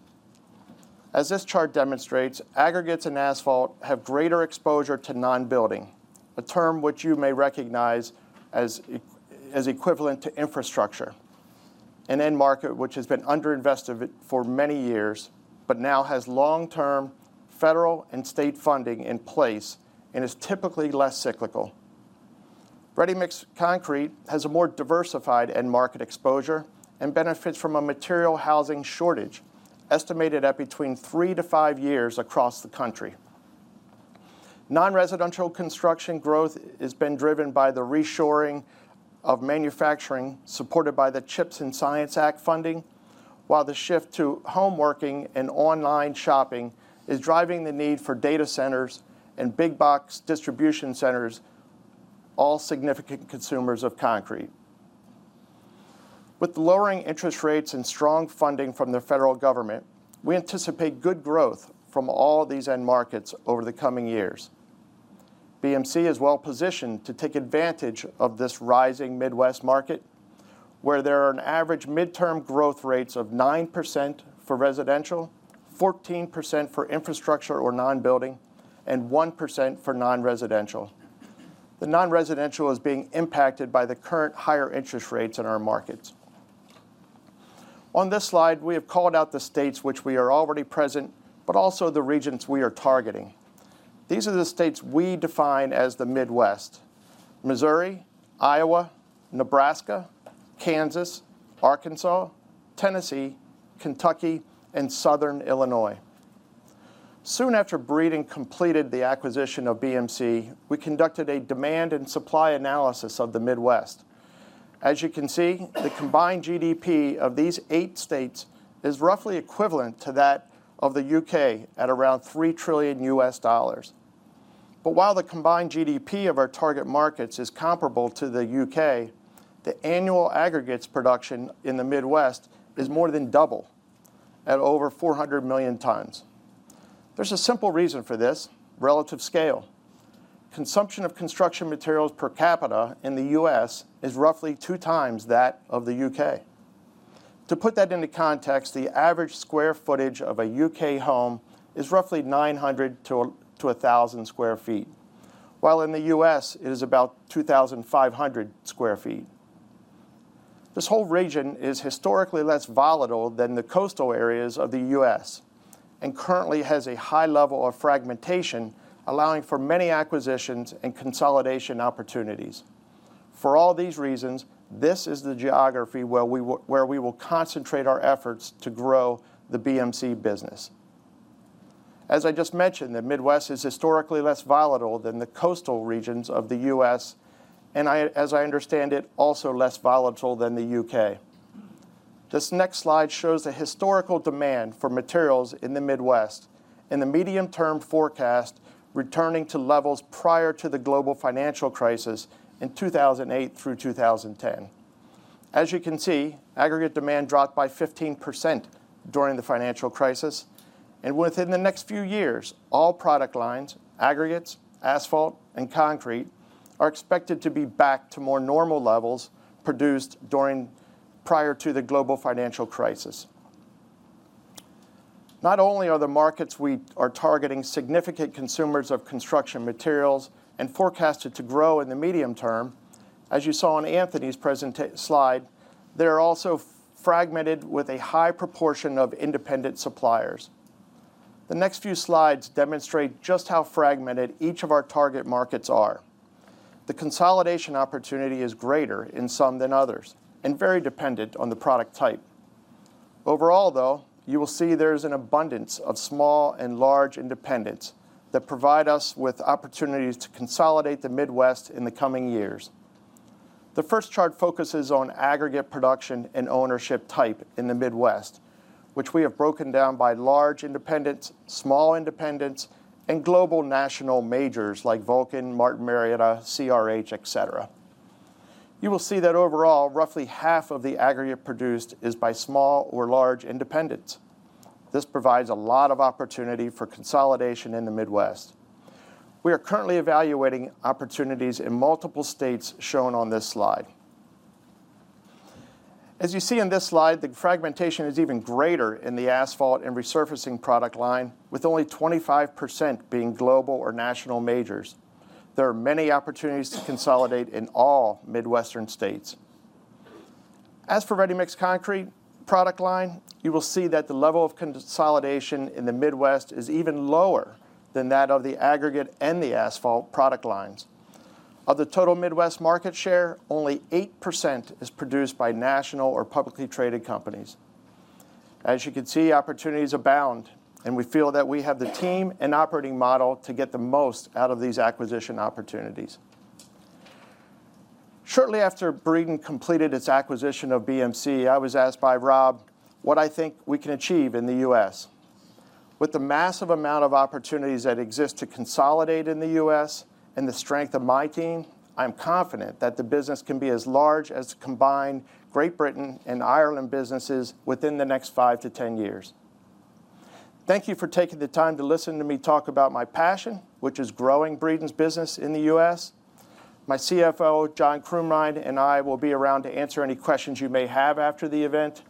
[SPEAKER 5] As this chart demonstrates, aggregates and asphalt have greater exposure to non-building, a term which you may recognize as equivalent to infrastructure, an end market which has been underinvested for many years, but now has long-term federal and state funding in place and is typically less ready-mix concrete has a more diversified end-market exposure and benefits from a material housing shortage estimated at between three to five years across the country. Non-residential construction growth has been driven by the reshoring of manufacturing supported by the CHIPS and Science Act funding, while the shift to home working and online shopping is driving the need for data centers and big box distribution centers, all significant consumers of concrete. With lowering interest rates and strong funding from the federal government, we anticipate good growth from all these end markets over the coming years. BMC is well-positioned to take advantage of this rising Midwest market, where there are an average midterm growth rates of 9% for residential, 14% for infrastructure or non-building, and 1% for non-residential. The non-residential is being impacted by the current higher interest rates in our markets. On this slide, we have called out the states which we are already present, but also the regions we are targeting. These are the states we define as the Midwest: Missouri, Iowa, Nebraska, Kansas, Arkansas, Tennessee, Kentucky, and southern Illinois. Soon after Breedon completed the acquisition of BMC, we conducted a demand and supply analysis of the Midwest. As you can see, the combined GDP of these eight states is roughly equivalent to that of the U.K. At around $3 trillion. But while the combined GDP of our target markets is comparable to the U.K., the annual aggregates production in the Midwest is more than double at over 400 million tons. There's a simple reason for this: relative scale. Consumption of construction materials per capita in the U.S. is roughly two times that of the U.K. To put that into context, the average square footage of a U.K. home is roughly 900-1,000 sq ft, while in the U.S., it is about 2,500 sq ft. This whole region is historically less volatile than the coastal areas of the U.S. and currently has a high level of fragmentation, allowing for many acquisitions and consolidation opportunities. For all these reasons, this is the geography where we will concentrate our efforts to grow the BMC business. As I just mentioned, the Midwest is historically less volatile than the coastal regions of the U.S., and as I understand it, also less volatile than the U.K. This next slide shows the historical demand for materials in the Midwest in the medium-term forecast returning to levels prior to the global financial crisis in 2008 through 2010. As you can see, aggregate demand dropped by 15% during the financial crisis, and within the next few years, all product lines, aggregates, asphalt, and concrete are expected to be back to more normal levels produced prior to the global financial crisis. Not only are the markets we are targeting significant consumers of construction materials and forecasted to grow in the medium term, as you saw on Anthony's presentation slide, they are also fragmented with a high proportion of independent suppliers. The next few slides demonstrate just how fragmented each of our target markets are. The consolidation opportunity is greater in some than others and very dependent on the product type. Overall, though, you will see there is an abundance of small and large independents that provide us with opportunities to consolidate the Midwest in the coming years. The first chart focuses on aggregate production and ownership type in the Midwest, which we have broken down by large independents, small independents, and global national majors like Vulcan, Martin Marietta, CRH, etc. You will see that overall, roughly half of the aggregate produced is by small or large independents. This provides a lot of opportunity for consolidation in the Midwest. We are currently evaluating opportunities in multiple states shown on this slide. As you see in this slide, the fragmentation is even greater in the asphalt and resurfacing product line, with only 25% being global or national majors. There are many opportunities to consolidate in all Midwestern states. As ready-mix concrete product line, you will see that the level of consolidation in the Midwest is even lower than that of the aggregate and the asphalt product lines. Of the total Midwest market share, only 8% is produced by national or publicly traded companies. As you can see, opportunities abound, and we feel that we have the team and operating model to get the most out of these acquisition opportunities. Shortly after Breedon completed its acquisition of BMC, I was asked by Rob what I think we can achieve in the U.S. With the massive amount of opportunities that exist to consolidate in the U.S. And the strength of my team, I'm confident that the business can be as large as the combined Great Britain and Ireland businesses within the next five to 10 years. Thank you for taking the time to listen to me talk about my passion, which is growing Breedon's business in the U.S. My CFO, John Krumrein, and I will be around to answer any questions you may have after the event.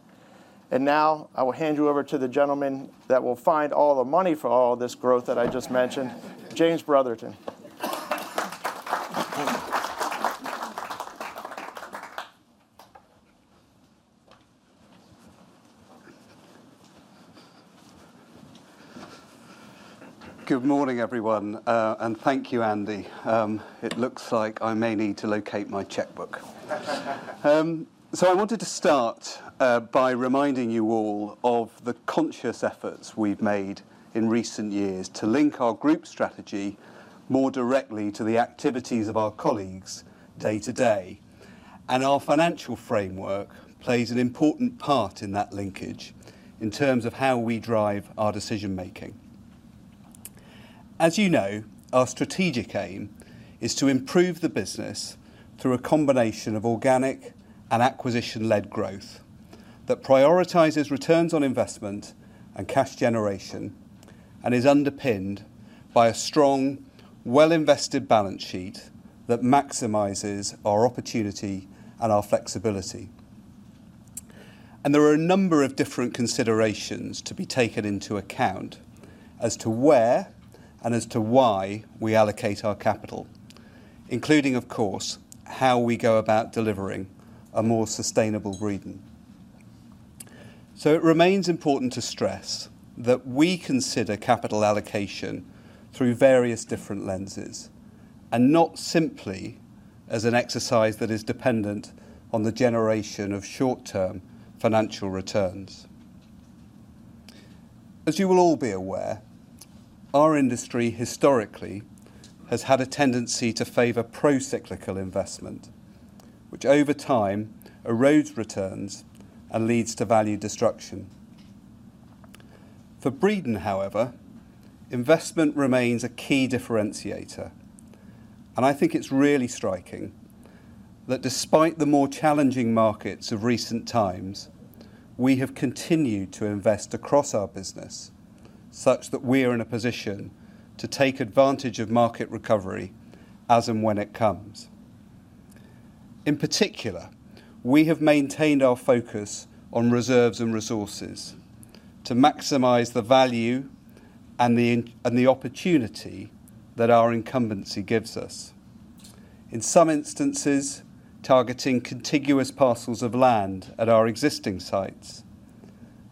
[SPEAKER 5] And now I will hand you over to the gentleman that will find all the money for all this growth that I just mentioned, James Brotherton.
[SPEAKER 6] Good morning, everyone, and thank you, Andy. It looks like I may need to locate my checkbook. I wanted to start by reminding you all of the conscious efforts we've made in recent years to link our group strategy more directly to the activities of our colleagues day to day, and our financial framework plays an important part in that linkage in terms of how we drive our decision-making. As you know, our strategic aim is to improve the business through a combination of organic and acquisition-led growth that prioritizes returns on investment and cash generation and is underpinned by a strong, well-invested balance sheet that maximizes our opportunity and our flexibility, and there are a number of different considerations to be taken into account as to where and as to why we allocate our capital, including, of course, how we go about delivering a more sustainable Breedon. So it remains important to stress that we consider capital allocation through various different lenses and not simply as an exercise that is dependent on the generation of short-term financial returns. As you will all be aware, our industry historically has had a tendency to favor pro-cyclical investment, which over time erodes returns and leads to value destruction. For Breedon, however, investment remains a key differentiator, and I think it's really striking that despite the more challenging markets of recent times, we have continued to invest across our business such that we are in a position to take advantage of market recovery as and when it comes. In particular, we have maintained our focus on reserves and resources to maximize the value and the opportunity that our incumbency gives us. In some instances, targeting contiguous parcels of land at our existing sites,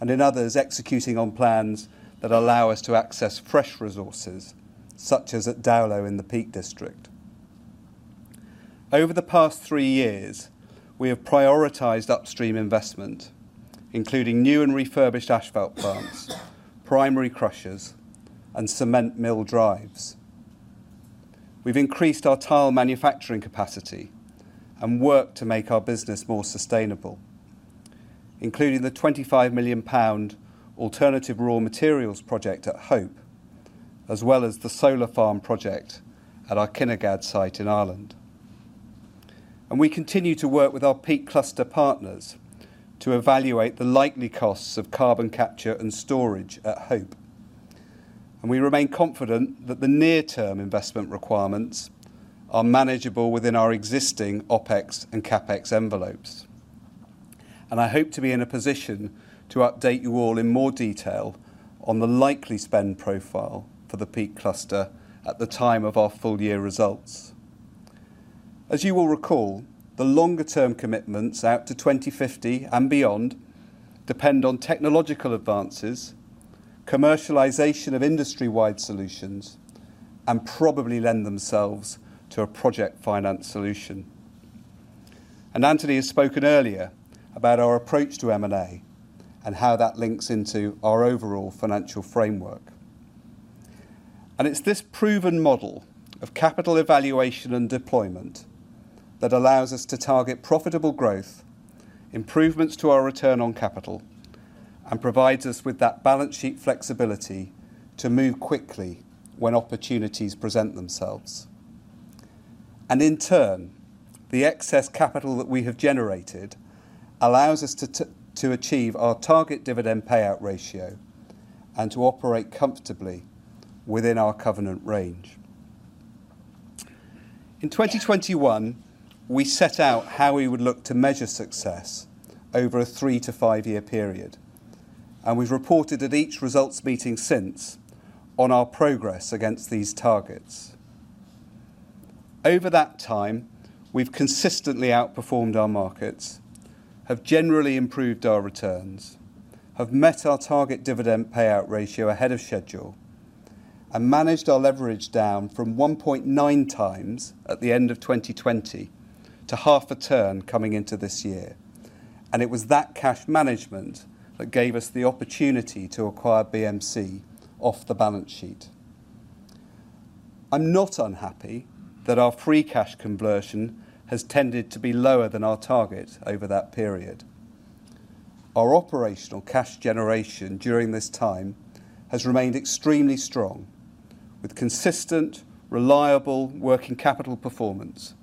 [SPEAKER 6] and in others, executing on plans that allow us to access fresh resources, such as at Dowlow in the Peak District. Over the past three years, we have prioritized upstream investment, including new and refurbished asphalt plants, primary crushers, and cement mill drives. We've increased our tile manufacturing capacity and worked to make our business more sustainable, including the 25 million pound alternative raw materials project at Hope, as well as the solar farm project at our Kinnegad site in Ireland, and we continue to work with our Peak Cluster partners to evaluate the likely costs of carbon capture and storage at Hope, and we remain confident that the near-term investment requirements are manageable within our existing OpEx and CapEx envelopes. I hope to be in a position to update you all in more detail on the likely spend profile for the Peak Cluster at the time of our full-year results. As you will recall, the longer-term commitments out to 2050 and beyond depend on technological advances, commercialization of industry-wide solutions, and probably lend themselves to a project finance solution. Anthony has spoken earlier about our approach to M&A and how that links into our overall financial framework. It's this proven model of capital evaluation and deployment that allows us to target profitable growth, improvements to our return on capital, and provides us with that balance sheet flexibility to move quickly when opportunities present themselves. In turn, the excess capital that we have generated allows us to achieve our target dividend payout ratio and to operate comfortably within our covenant range. In 2021, we set out how we would look to measure success over a three to five-year period, and we've reported at each results meeting since on our progress against these targets. Over that time, we've consistently outperformed our markets, have generally improved our returns, have met our target dividend payout ratio ahead of schedule, and managed our leverage down from 1.9 times at the end of 2020 to half a turn coming into this year, and it was that cash management that gave us the opportunity to acquire BMC off the balance sheet. I'm not unhappy that our free cash conversion has tended to be lower than our target over that period. Our operational cash generation during this time has remained extremely strong, with consistent, reliable working capital performance,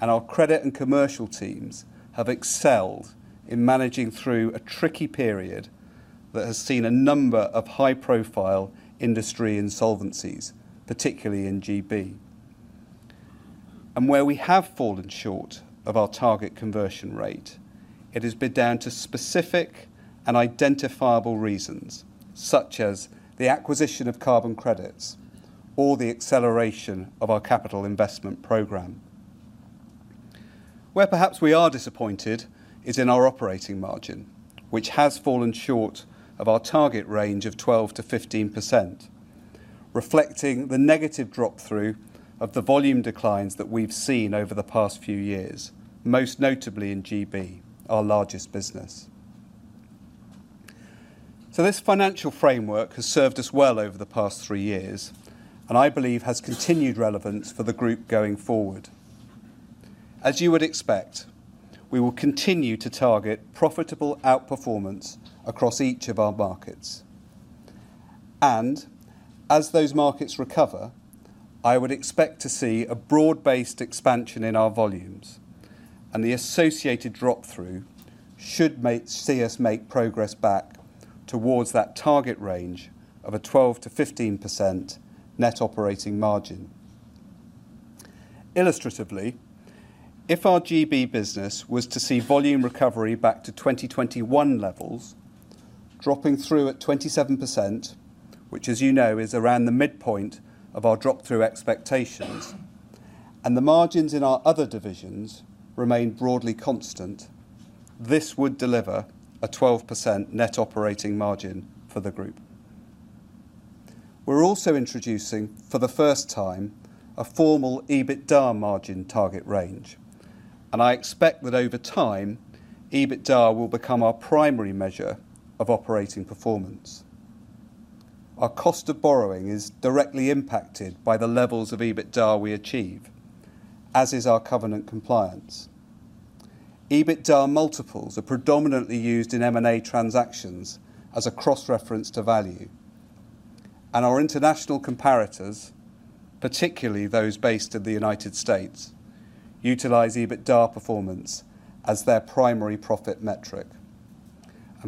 [SPEAKER 6] and our credit and commercial teams have excelled in managing through a tricky period that has seen a number of high-profile industry insolvencies, particularly in GB, and where we have fallen short of our target conversion rate, it has been down to specific and identifiable reasons, such as the acquisition of carbon credits or the acceleration of our capital investment program. Where perhaps we are disappointed is in our operating margin, which has fallen short of our target range of 12%-15%, reflecting the negative drop-through of the volume declines that we've seen over the past few years, most notably in GB, our largest business, so this financial framework has served us well over the past three years, and I believe has continued relevance for the group going forward. As you would expect, we will continue to target profitable outperformance across each of our markets, and as those markets recover, I would expect to see a broad-based expansion in our volumes, and the associated drop-through should see us make progress back towards that target range of a 12%-15% net operating margin. Illustratively, if our GB business was to see volume recovery back to 2021 levels, dropping through at 27%, which, as you know, is around the midpoint of our drop-through expectations, and the margins in our other divisions remain broadly constant, this would deliver a 12% net operating margin for the group. We're also introducing, for the first time, a formal EBITDA margin target range, and I expect that over time, EBITDA will become our primary measure of operating performance. Our cost of borrowing is directly impacted by the levels of EBITDA we achieve, as is our covenant compliance. EBITDA multiples are predominantly used in M&A transactions as a cross-reference to value, and our international comparators, particularly those based in the United States, utilize EBITDA performance as their primary profit metric.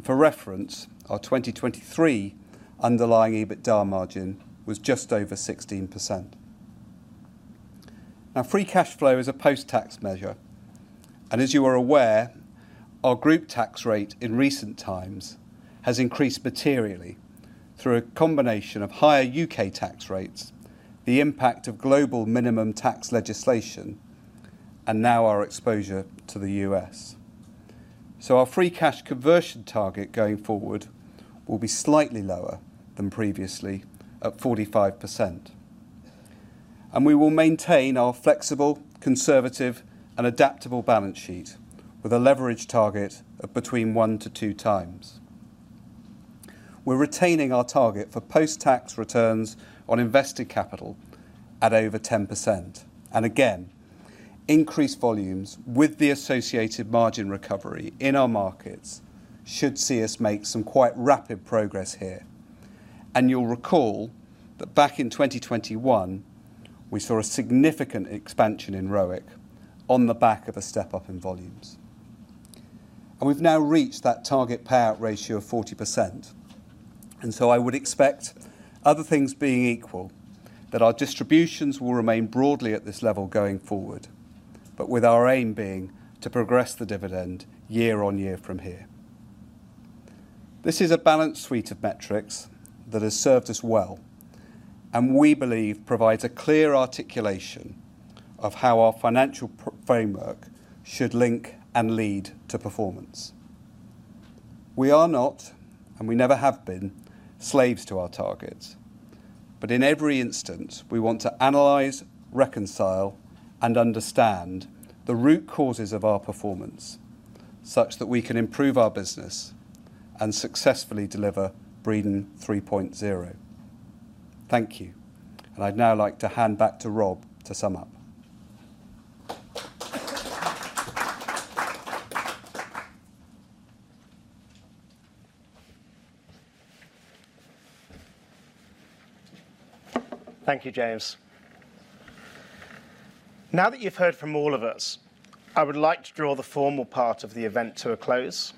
[SPEAKER 6] For reference, our 2023 underlying EBITDA margin was just over 16%. Now, free cash flow is a post-tax measure, and as you are aware, our group tax rate in recent times has increased materially through a combination of higher UK tax rates, the impact of global minimum tax legislation, and now our exposure to the US. Our free cash conversion target going forward will be slightly lower than previously at 45%. We will maintain our flexible, conservative, and adaptable balance sheet with a leverage target of between one to two times. We're retaining our target for post-tax returns on invested capital at over 10%, and again, increased volumes with the associated margin recovery in our markets should see us make some quite rapid progress here, and you'll recall that back in 2021, we saw a significant expansion in ROIC on the back of a step-up in volumes, and we've now reached that target payout ratio of 40%, and so I would expect, other things being equal, that our distributions will remain broadly at this level going forward, but with our aim being to progress the dividend year on year from here. This is a balance sheet of metrics that has served us well and we believe provides a clear articulation of how our financial framework should link and lead to performance. We are not, and we never have been, slaves to our targets, but in every instance, we want to analyze, reconcile, and understand the root causes of our performance such that we can improve our business and successfully deliver Breedon 3.0. Thank you. And I'd now like to hand back to Rob to sum up.
[SPEAKER 2] Thank you, James. Now that you've heard from all of us, I would like to draw the formal part of the event to a close.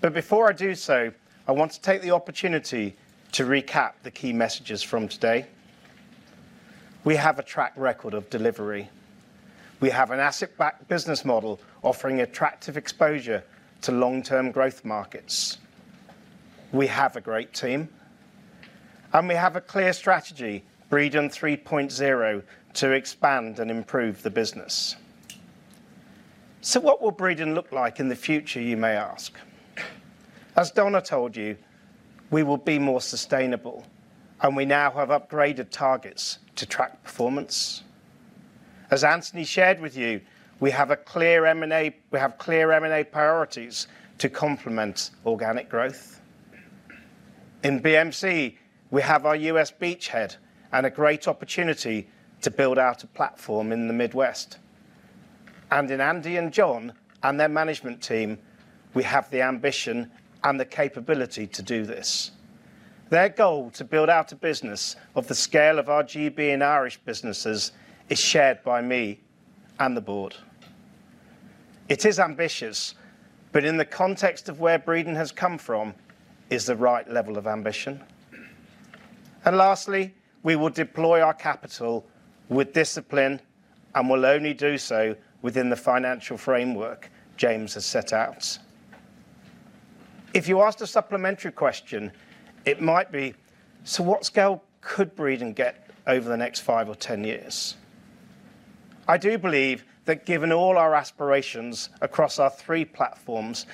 [SPEAKER 2] But before I do so, I want to take the opportunity to recap the key messages from today. We have a track record of delivery. We have an asset-backed business model offering attractive exposure to long-term growth markets. We have a great team, and we have a clear strategy, Breedon 3.0, to expand and improve the business. So what will Breedon look like in the future, you may ask? As Donna told you, we will be more sustainable, and we now have upgraded targets to track performance. As Anthony shared with you, we have clear M&A priorities to complement organic growth. In BMC, we have our US beachhead and a great opportunity to build out a platform in the Midwest. And in Andy and John and their management team, we have the ambition and the capability to do this. Their goal to build out a business of the scale of our GB and Irish businesses is shared by me and the board. It is ambitious, but in the context of where Breedon has come from, it is the right level of ambition. And lastly, we will deploy our capital with discipline and will only do so within the financial framework James has set out. If you asked a supplementary question, it might be, "So what scale could Breedon get over the next five or 10 years?" I do believe that given all our aspirations across our three platforms,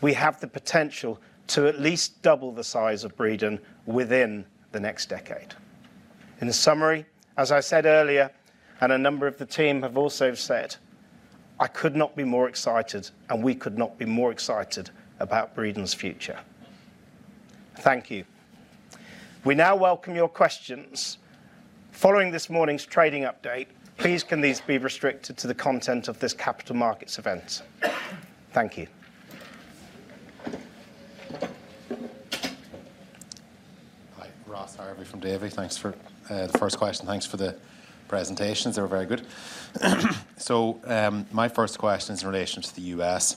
[SPEAKER 2] we have the potential to at least double the size of Breedon within the next decade. In summary, as I said earlier, and a number of the team have also said, "I could not be more excited, and we could not be more excited about Breedon's future." Thank you. We now welcome your questions. Following this morning's trading update, please can these be restricted to the content of this Capital Markets event? Thank you.
[SPEAKER 7] Hi, Ross. Ross Harvey from Davy. Thanks for the first question. Thanks for the presentations. They were very good. So my first question is in relation to the U.S.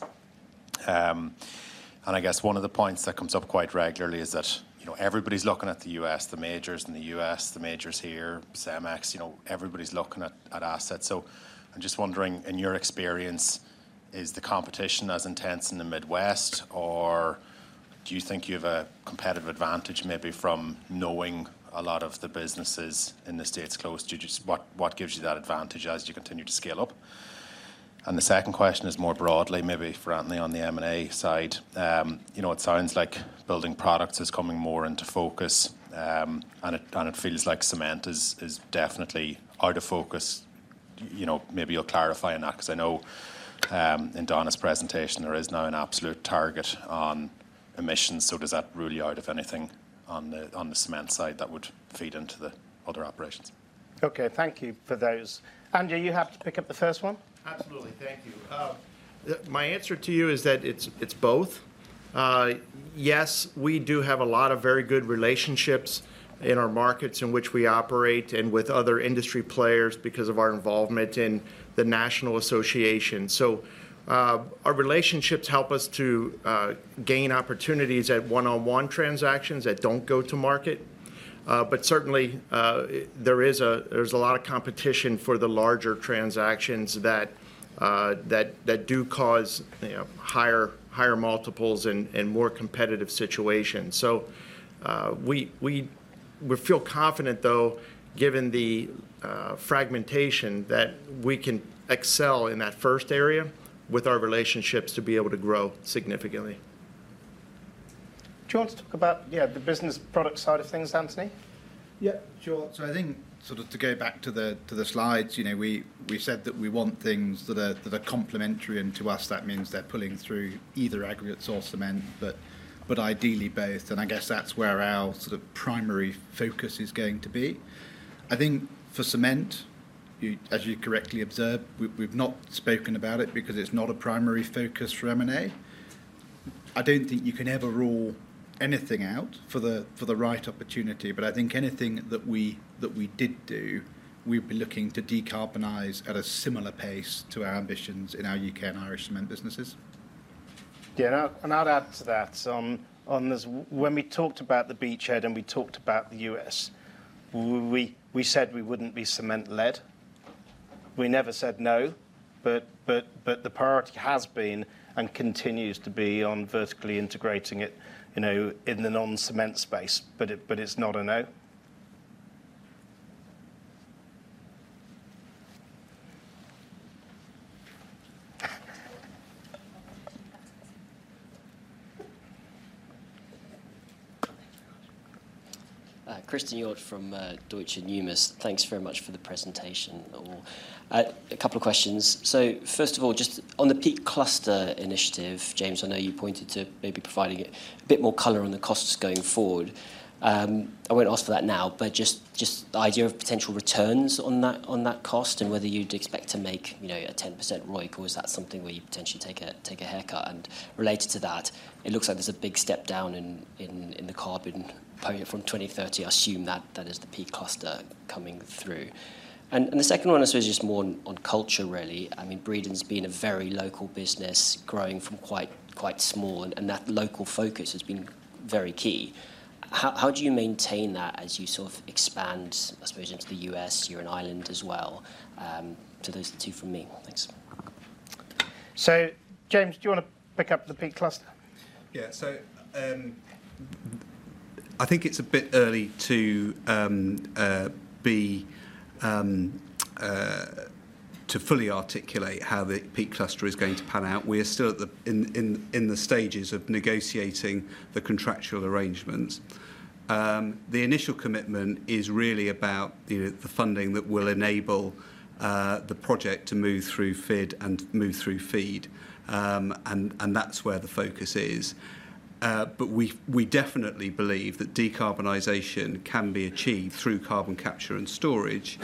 [SPEAKER 7] And I guess one of the points that comes up quite regularly is that everybody's looking at the US, the majors in the US, the majors here, Cemex, everybody's looking at assets. So I'm just wondering, in your experience, is the competition as intense in the Midwest, or do you think you have a competitive advantage maybe from knowing a lot of the businesses in the states close to you? What gives you that advantage as you continue to scale up? And the second question is more broadly, maybe for Anthony on the M&A side. It sounds like building products is coming more into focus, and it feels like cement is definitely out of focus. Maybe you'll clarify on that, because I know in Donna's presentation, there is now an absolute target on emissions. So does that rule you out of anything on the cement side that would feed into the other operations?
[SPEAKER 2] Okay, thank you for those. Andy, you have to pick up the first one.
[SPEAKER 5] Absolutely. Thank you. My answer to you is that it's both. Yes, we do have a lot of very good relationships in our markets in which we operate and with other industry players because of our involvement in the national association. So our relationships help us to gain opportunities at one-on-one transactions that don't go to market. But certainly, there's a lot of competition for the larger transactions that do cause higher multiples and more competitive situations. So we feel confident, though, given the fragmentation, that we can excel in that first area with our relationships to be able to grow significantly.
[SPEAKER 2] Do you want to talk about the building product side of things, Anthony?
[SPEAKER 4] Yeah, sure. So, I think sort of to go back to the slides, we said that we want things that are complementary and to us, that means they're pulling through either aggregates or cement, but ideally both. And I guess that's where our primary focus is going to be. I think for cement, as you correctly observed, we've not spoken about it because it's not a primary focus for M&A. I don't think you can ever rule anything out for the right opportunity, but I think anything that we did do, we've been looking to decarbonize at a similar pace to our ambitions in our U.K. and Irish cement businesses. Yeah, and I'll add to that. When we talked about the beachhead and we talked about the U.S., we said we wouldn't be cement-led. We never said no, but the priority has been and continues to be on vertically integrating it in the non-cement space, but it's not a no.
[SPEAKER 8] Christen Hjorth from Deutsche Numis, thanks very much for the presentation. A couple of questions. So first of all, just on the Peak Cluster initiative, James, I know you pointed to maybe providing a bit more color on the costs going forward. I won't ask for that now, but just the idea of potential returns on that cost and whether you'd expect to make a 10% ROIC or is that something where you potentially take a haircut? And related to that, it looks like there's a big step down in the carbon from 2030. I assume that that is the Peak Cluster coming through. And the second one is just more on culture, really. I mean, Breedon's been a very local business growing from quite small, and that local focus has been very key. How do you maintain that as you sort of expand, I suppose, into the U.S.? You're an island as well. So those are the two from me. Thanks.
[SPEAKER 2] So James, do you want to pick up the Peak Cluster?
[SPEAKER 6] Yeah, so I think it's a bit early to fully articulate how the Peak Cluster is going to pan out. We are still in the stages of negotiating the contractual arrangements. The initial commitment is really about the funding that will enable the project to move through FID and move through FEED. And that's where the focus is. But we definitely believe that decarbonization can be achieved through carbon capture and storage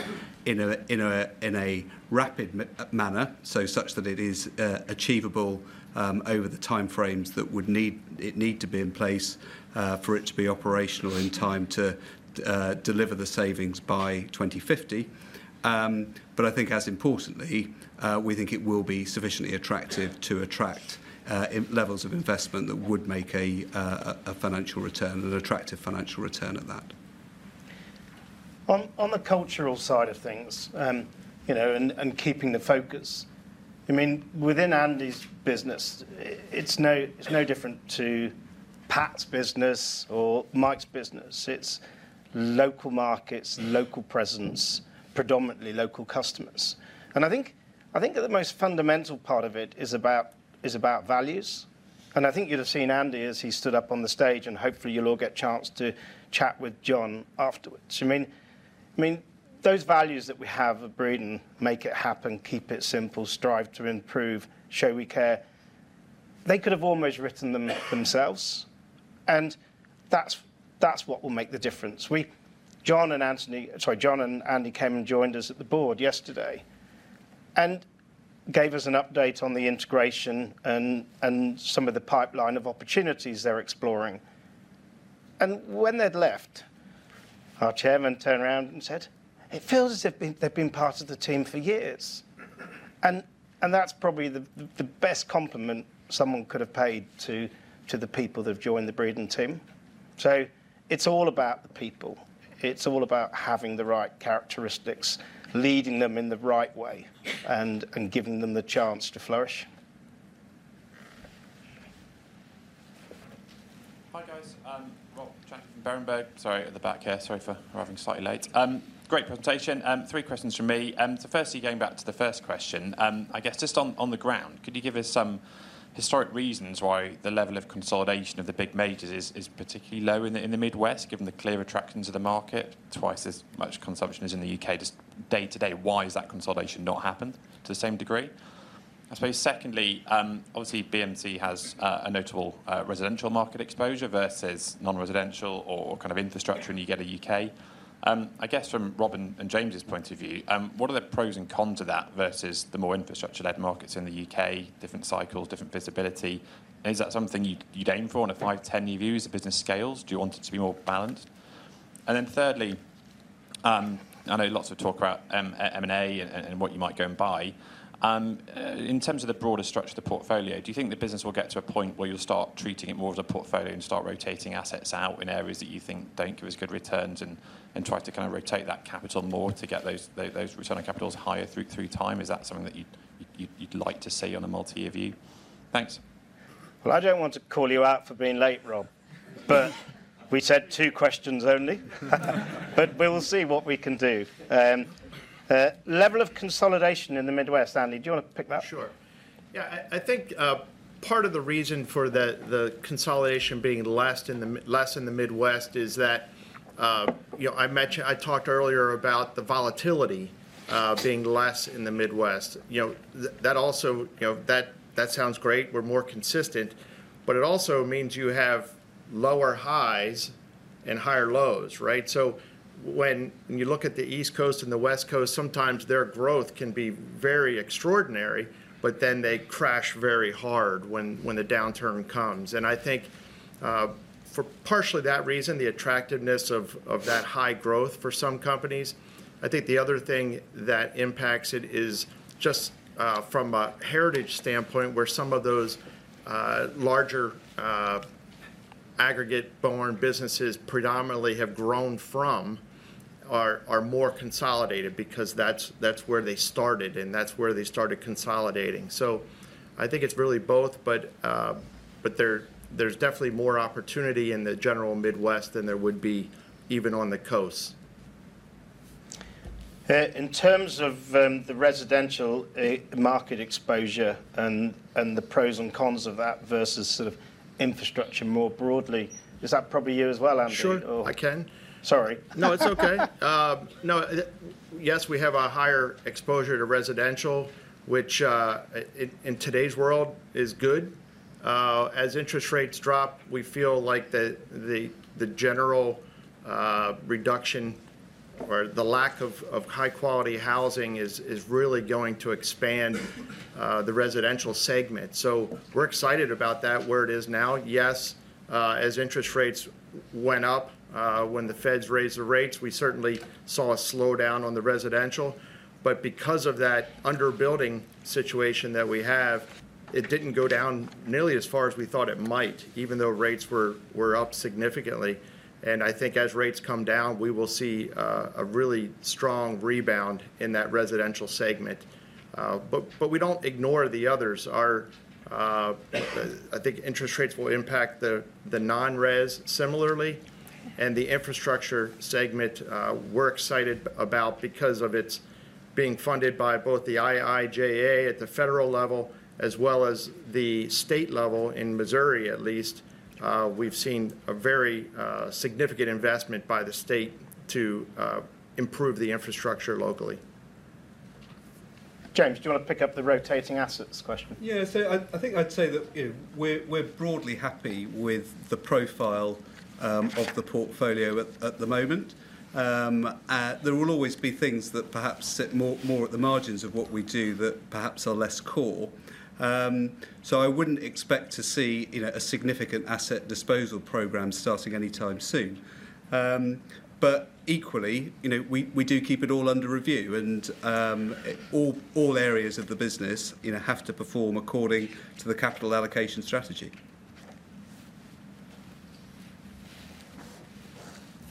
[SPEAKER 6] in a rapid manner, so such that it is achievable over the time frames that it need to be in place for it to be operational in time to deliver the savings by 2050. But I think as importantly, we think it will be sufficiently attractive to attract levels of investment that would make a financial return and attractive financial return at that. On the cultural side of things and keeping the focus, I mean, within Andy's business, it's no different to Pat's business or Mike's business. It's local markets, local presence, predominantly local customers. And I think the most fundamental part of it is about values. And I think you'll have seen Andy as he stood up on the stage, and hopefully you'll all get a chance to chat with John afterwards. I mean, those values that we have at Breedon make it happen, keep it simple, strive to improve, show we care. They could have almost written them themselves, and that's what will make the difference. John and Anthony came and joined us at the board yesterday and gave us an update on the integration and some of the pipeline of opportunities they're exploring. And when they'd left, our chairman turned around and said, "It feels as if they've been part of the team for years." And that's probably the best compliment someone could have paid to the people that have joined the Breedon team. So it's all about the people. It's all about having the right characteristics, leading them in the right way, and giving them the chance to flourish.
[SPEAKER 9] Hi guys. Rob Jack from Berenberg. Sorry, at the back here. Sorry for arriving slightly late. Great presentation. Three questions from me. So firstly, going back to the first question, I guess just on the ground, could you give us some historic reasons why the level of consolidation of the big majors is particularly low in the Midwest, given the clear attractions of the market? Twice as much consumption as in the U.K., just day to day, why has that consolidation not happened to the same degree? I suppose secondly, obviously BMC has a notable residential market exposure versus non-residential or kind of infrastructure in the U.K., I guess from Rob and James's point of view, what are the pros and cons of that versus the more infrastructure-led markets in the U.K., different cycles, different visibility? Is that something you'd aim for in a 5-10 year view as the business scales? Do you want it to be more balanced? And then thirdly, I know lots of talk about M&A and what you might go and buy. In terms of the broader structure of the portfolio, do you think the business will get to a point where you'll start treating it more as a portfolio and start rotating assets out in areas that you think don't give as good returns and try to kind of rotate that capital more to get those return on capitals higher through time? Is that something that you'd like to see on a multi-year view? Thanks.
[SPEAKER 2] Well, I don't want to call you out for being late, Rob, but we said two questions only, but we will see what we can do. Level of consolidation in the Midwest, Andy, do you want to pick that?
[SPEAKER 5] Sure. Yeah, I think part of the reason for the consolidation being less in the Midwest is that I talked earlier about the volatility being less in the Midwest. That sounds great. We're more consistent, but it also means you have lower highs and higher lows, right? So when you look at the East Coast and the West Coast, sometimes their growth can be very extraordinary, but then they crash very hard when the downturn comes. And I think for partially that reason, the attractiveness of that high growth for some companies. I think the other thing that impacts it is just from a heritage standpoint where some of those larger aggregate-born businesses predominantly have grown from are more consolidated because that's where they started and that's where they started consolidating. So I think it's really both, but there's definitely more opportunity in the general Midwest than there would be even on the coast. In terms of the residential market exposure and the pros and cons of that versus sort of infrastructure more broadly, is that probably you as well,
[SPEAKER 2] Andy?
[SPEAKER 5] Sure, I can.
[SPEAKER 2] Sorry.
[SPEAKER 5] No, it's okay. No, yes, we have a higher exposure to residential, which in today's world is good. As interest rates drop, we feel like the general reduction or the lack of high-quality housing is really going to expand the residential segment. So we're excited about that where it is now. Yes, as interest rates went up when the Feds raised the rates, we certainly saw a slowdown on the residential, but because of that underbuilding situation that we have, it didn't go down nearly as far as we thought it might, even though rates were up significantly. And I think as rates come down, we will see a really strong rebound in that residential segment. But we don't ignore the others. I think interest rates will impact the non-res similarly. And the infrastructure segment, we're excited about because of its being funded by both the IIJA at the federal level as well as the state level in Missouri, at least. We've seen a very significant investment by the state to improve the infrastructure locally.
[SPEAKER 2] James, do you want to pick up the rotating assets question?
[SPEAKER 6] Yeah, so I think I'd say that we're broadly happy with the profile of the portfolio at the moment. There will always be things that perhaps sit more at the margins of what we do that perhaps are less core. So I wouldn't expect to see a significant asset disposal program starting anytime soon. But equally, we do keep it all under review, and all areas of the business have to perform according to the capital allocation strategy.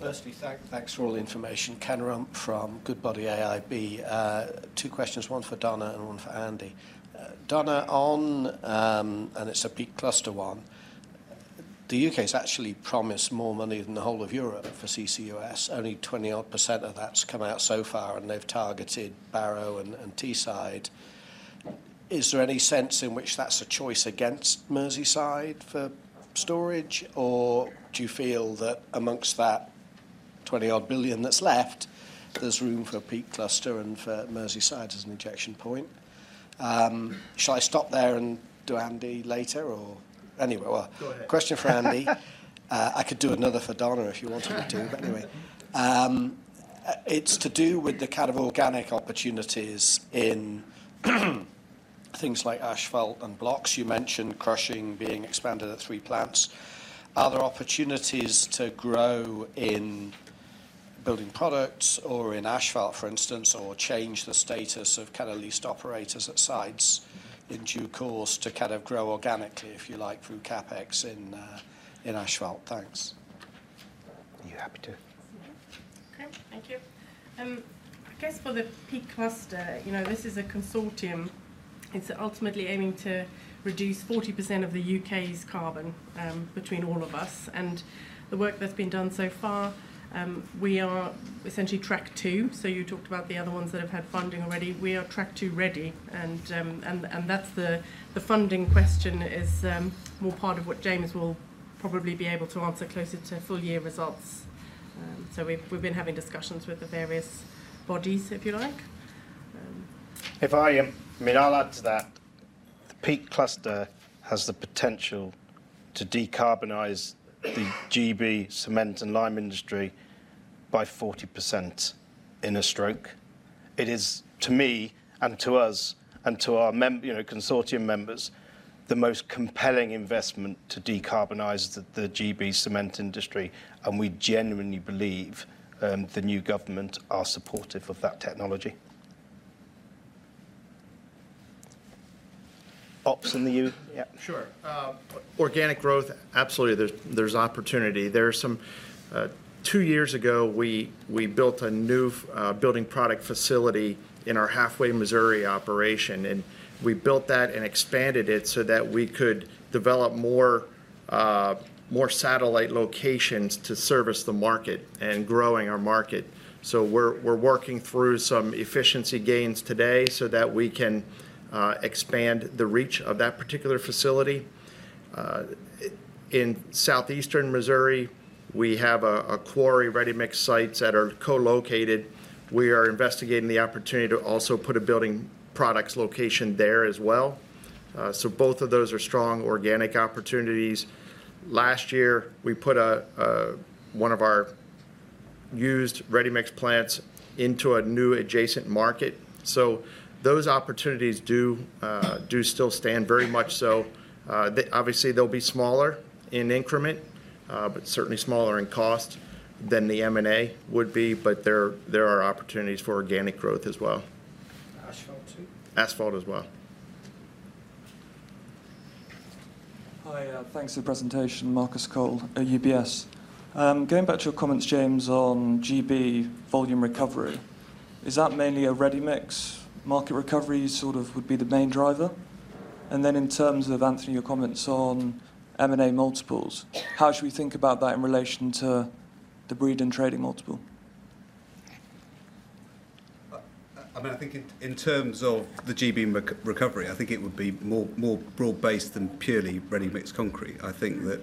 [SPEAKER 10] Firstly, thanks for all the information. Cian Tormey from Goodbody AIB. Two questions, one for Donna and one for Andy. Donna, on, and it's a Peak Cluster one, the UK has actually promised more money than the whole of Europe for CCUS. Only 20-odd% of that's come out so far, and they've targeted Barrow and Teesside. Is there any sense in which that's a choice against Merseyside for storage, or do you feel that amongst that 20-odd billion that's left, there's room for a Peak Cluster and for Merseyside as an injection point? Shall I stop there and do Andy later or anyway?
[SPEAKER 2] Go ahead.
[SPEAKER 10] Question for Andy. I could do another for Donna if you wanted me to, but anyway. It's to do with the kind of organic opportunities in things like asphalt and blocks. You mentioned crushing being expanded at three plants. Are there opportunities to grow in building products or in asphalt, for instance, or change the status of kind of leased operators at sites in due course to kind of grow organically, if you like, through CapEx in asphalt? Thanks. You're happy to.
[SPEAKER 3] Okay, thank you. I guess for the Peak Cluster, this is a consortium. It's ultimately aiming to reduce 40% of the U.K.'s carbon between all of us. The work that's been done so far, we are essentially Track 2. You talked about the other ones that have had funding already. We are Track 2 ready. That's the funding question is more part of what James will probably be able to answer closer to full-year results. We've been having discussions with the various bodies, if you like.
[SPEAKER 6] I mean, I'll add to that. The Peak Cluster has the potential to decarbonize the GB cement and lime industry by 40% in a stroke. It is, to me and to us and to our consortium members, the most compelling investment to decarbonize the GB cement industry. We genuinely believe the new government are supportive of that technology.
[SPEAKER 10] Ops in the U.S.
[SPEAKER 6] Yeah. Sure. Organic growth, absolutely. There's opportunity. Two years ago, we built a new building product facility in our Halfway, Missouri operation. We built that and expanded it so that we could develop more satellite locations to service the market and growing our market. We're working through some efficiency gains today so that we can expand the reach of that particular facility. In southeastern Missouri, we have a quarry, ready mix sites that are co-located. We are investigating the opportunity to also put a building products location there as well. Both of those are strong organic opportunities. Last year, we put one of our used ready mix plants into a new adjacent market. Those opportunities do still stand very much so. Obviously, they'll be smaller in increment, but certainly smaller in cost than the M&A would be. There are opportunities for organic growth as well. Asphalt too. Asphalt as well.
[SPEAKER 11] Hi, thanks for the presentation, Marcus Cole at UBS. Going back to your comments, James, on GB volume recovery, is that mainly a ready mix market recovery sort of would be the main driver? And then in terms of, Anthony, your comments on M&A multiples, how should we think about that in relation to the Breedon trading multiple?
[SPEAKER 6] I mean, I think in terms of the GB recovery, I think it would be more broad-based than ready-mix concrete. i think that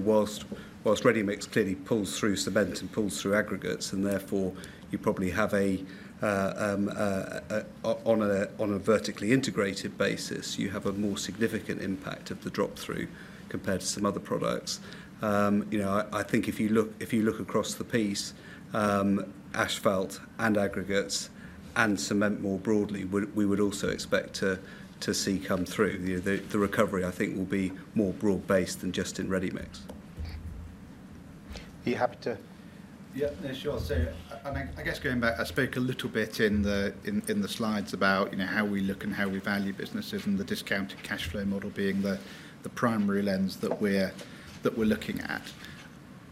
[SPEAKER 6] whilst ready mix clearly pulls through cement and pulls through aggregates, and therefore you probably have a, on a vertically integrated basis, you have a more significant impact of the drop-through compared to some other products. I think if you look across the piece, asphalt and aggregates and cement more broadly, we would also expect to see come through. The recovery, I think, will be more broad-based than just in ready mix. Are you happy to?
[SPEAKER 11] Yeah, sure.
[SPEAKER 4] So I guess going back, I spoke a little bit in the slides about how we look and how we value businesses and the discounted cash flow model being the primary lens that we're looking at.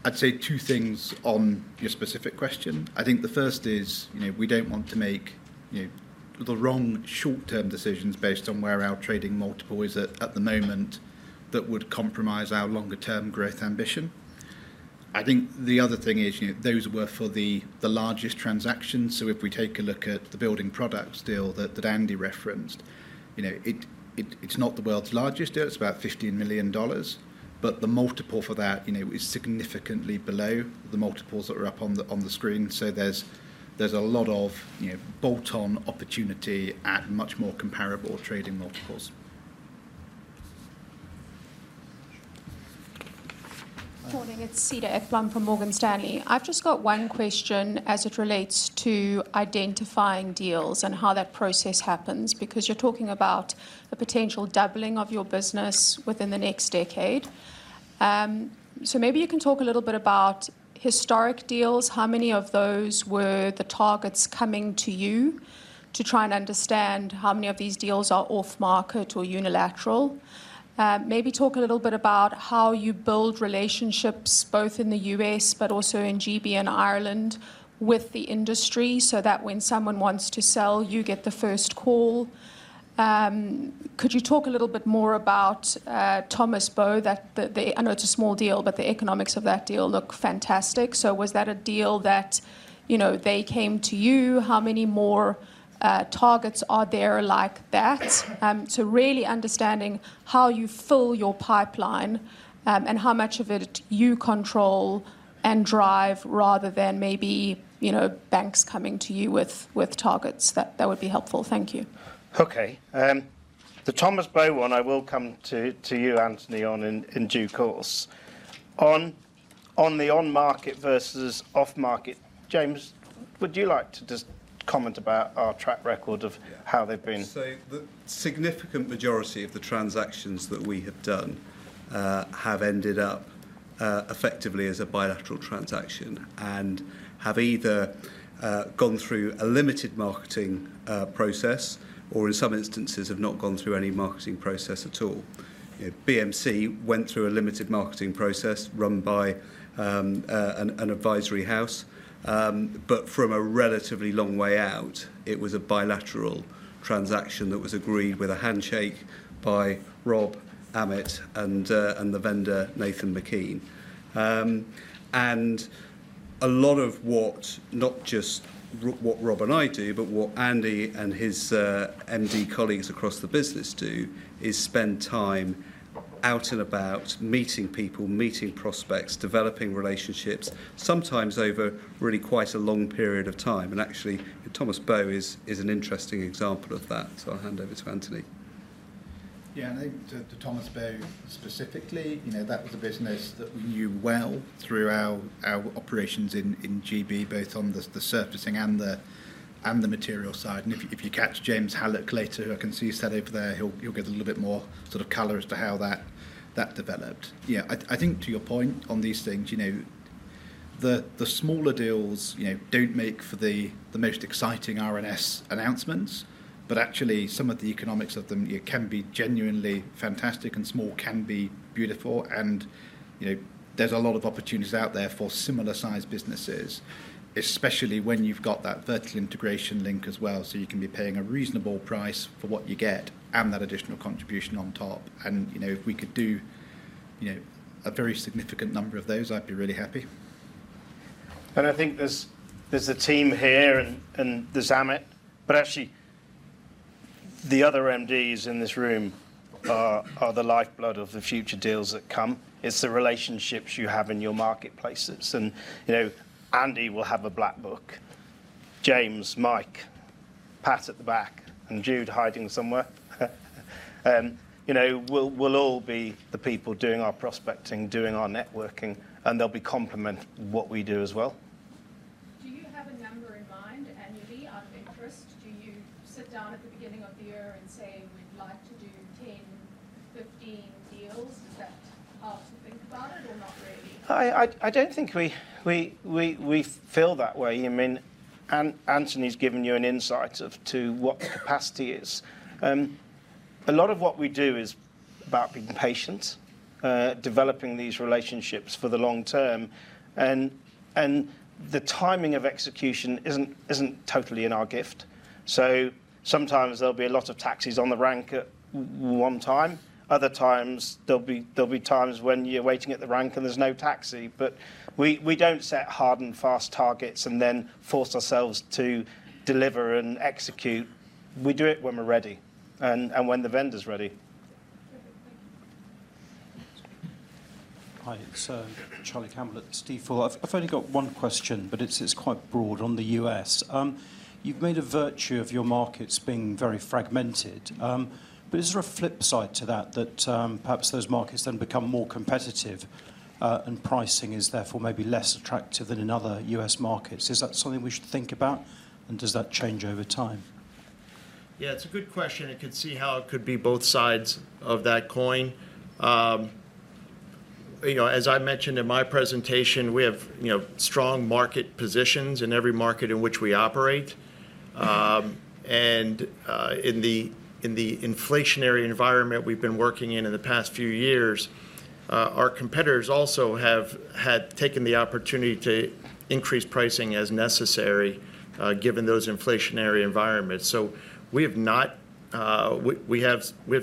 [SPEAKER 4] I'd say two things on your specific question. I think the first is we don't want to make the wrong short-term decisions based on where our trading multiple is at the moment, that would compromise our longer-term growth ambition. I think the other thing is those were for the largest transactions. So if we take a look at the building products deal that Andy referenced, it's not the world's largest deal. It's about $15 million. But the multiple for that is significantly below the multiples that are up on the screen. So there's a lot of bolt-on opportunity at much more comparable trading multiples.
[SPEAKER 12] Morning, it's Cedar Ekblom from Morgan Stanley. I've just got one question as it relates to identifying deals and how that process happens because you're talking about the potential doubling of your business within the next decade. So maybe you can talk a little bit about historic deals, how many of those were the targets coming to you to try and understand how many of these deals are off-market or unilateral. Maybe talk a little bit about how you build relationships both in the US, but also in GB and Ireland with the industry so that when someone wants to sell, you get the first call. Could you talk a little bit more about Thomas Bow? I know it's a small deal, but the economics of that deal look fantastic. So was that a deal that they came to you? How many more targets are there like that? So really understanding how you fill your pipeline and how much of it you control and drive rather than maybe banks coming to you with targets. That would be helpful. Thank you.
[SPEAKER 4] Okay. The Thomas Bow one, I will come to you, Anthony, on in due course. On the on-market versus off-market, James, would you like to just comment about our track record of how they've been?
[SPEAKER 6] So the significant majority of the transactions that we have done have ended up effectively as a bilateral transaction and have either gone through a limited marketing process or, in some instances, have not gone through any marketing process at all. BMC went through a limited marketing process run by an advisory house, but from a relatively long way out, it was a bilateral transaction that was agreed with a handshake by Rob and Amit and the vendor Nathan McKean, and a lot of what, not just what Rob and I do, but what Andy and his MD colleagues across the business do is spend time out and about meeting people, meeting prospects, developing relationships, sometimes over really quite a long period of time, and actually, Thomas Bow is an interesting example of that, so I'll hand over to Anthony.
[SPEAKER 4] Yeah, and to Thomas Bow specifically, that was a business that we knew well through our operations in GB, both on the surfacing and the materials side. And if you catch James Haluch later, who I can see sat over there, he'll get a little bit more sort of color as to how that developed. Yeah, I think to your point on these things, the smaller deals don't make for the most exciting RNS announcements, but actually some of the economics of them can be genuinely fantastic and small can be beautiful. And there's a lot of opportunities out there for similar-sized businesses, especially when you've got that vertical integration link as well. So you can be paying a reasonable price for what you get and that additional contribution on top. And if we could do a very significant number of those, I'd be really happy.
[SPEAKER 2] And I think there's a team here and there's Amit. But actually, the other MDs in this room are the lifeblood of the future deals that come. It's the relationships you have in your marketplaces, and Andy will have a black book. James, Mike, Pat at the back, and Jude hiding somewhere will all be the people doing our prospecting, doing our networking, and they'll be complementing what we do as well.
[SPEAKER 12] Do you have a number in mind, any of you out of interest? Do you sit down at the beginning of the year and say, "We'd like to do 10, 15 deals"? Is that hard to think about it or not really?
[SPEAKER 2] I don't think we feel that way. I mean, Anthony's given you an insight as to what the capacity is. A lot of what we do is about being patient, developing these relationships for the long term, and the timing of execution isn't totally in our gift. So sometimes there'll be a lot of taxis on the rank at one time. Other times, there'll be times when you're waiting at the rank and there's no taxi. We don't set hard and fast targets and then force ourselves to deliver and execute. We do it when we're ready and when the vendor's ready.
[SPEAKER 13] Thank you. Hi, so Charlie Campbell at Stifel. I've only got one question, but it's quite broad on the US. You've made a virtue of your markets being very fragmented. Is there a flip side to that, that perhaps those markets then become more competitive and pricing is therefore maybe less attractive than in other US markets? Is that something we should think about? And does that change over time?
[SPEAKER 5] Yeah, it's a good question. I could see how it could be both sides of that coin. As I mentioned in my presentation, we have strong market positions in every market in which we operate. In the inflationary environment we've been working in in the past few years, our competitors also have taken the opportunity to increase pricing as necessary given those inflationary environments. So we have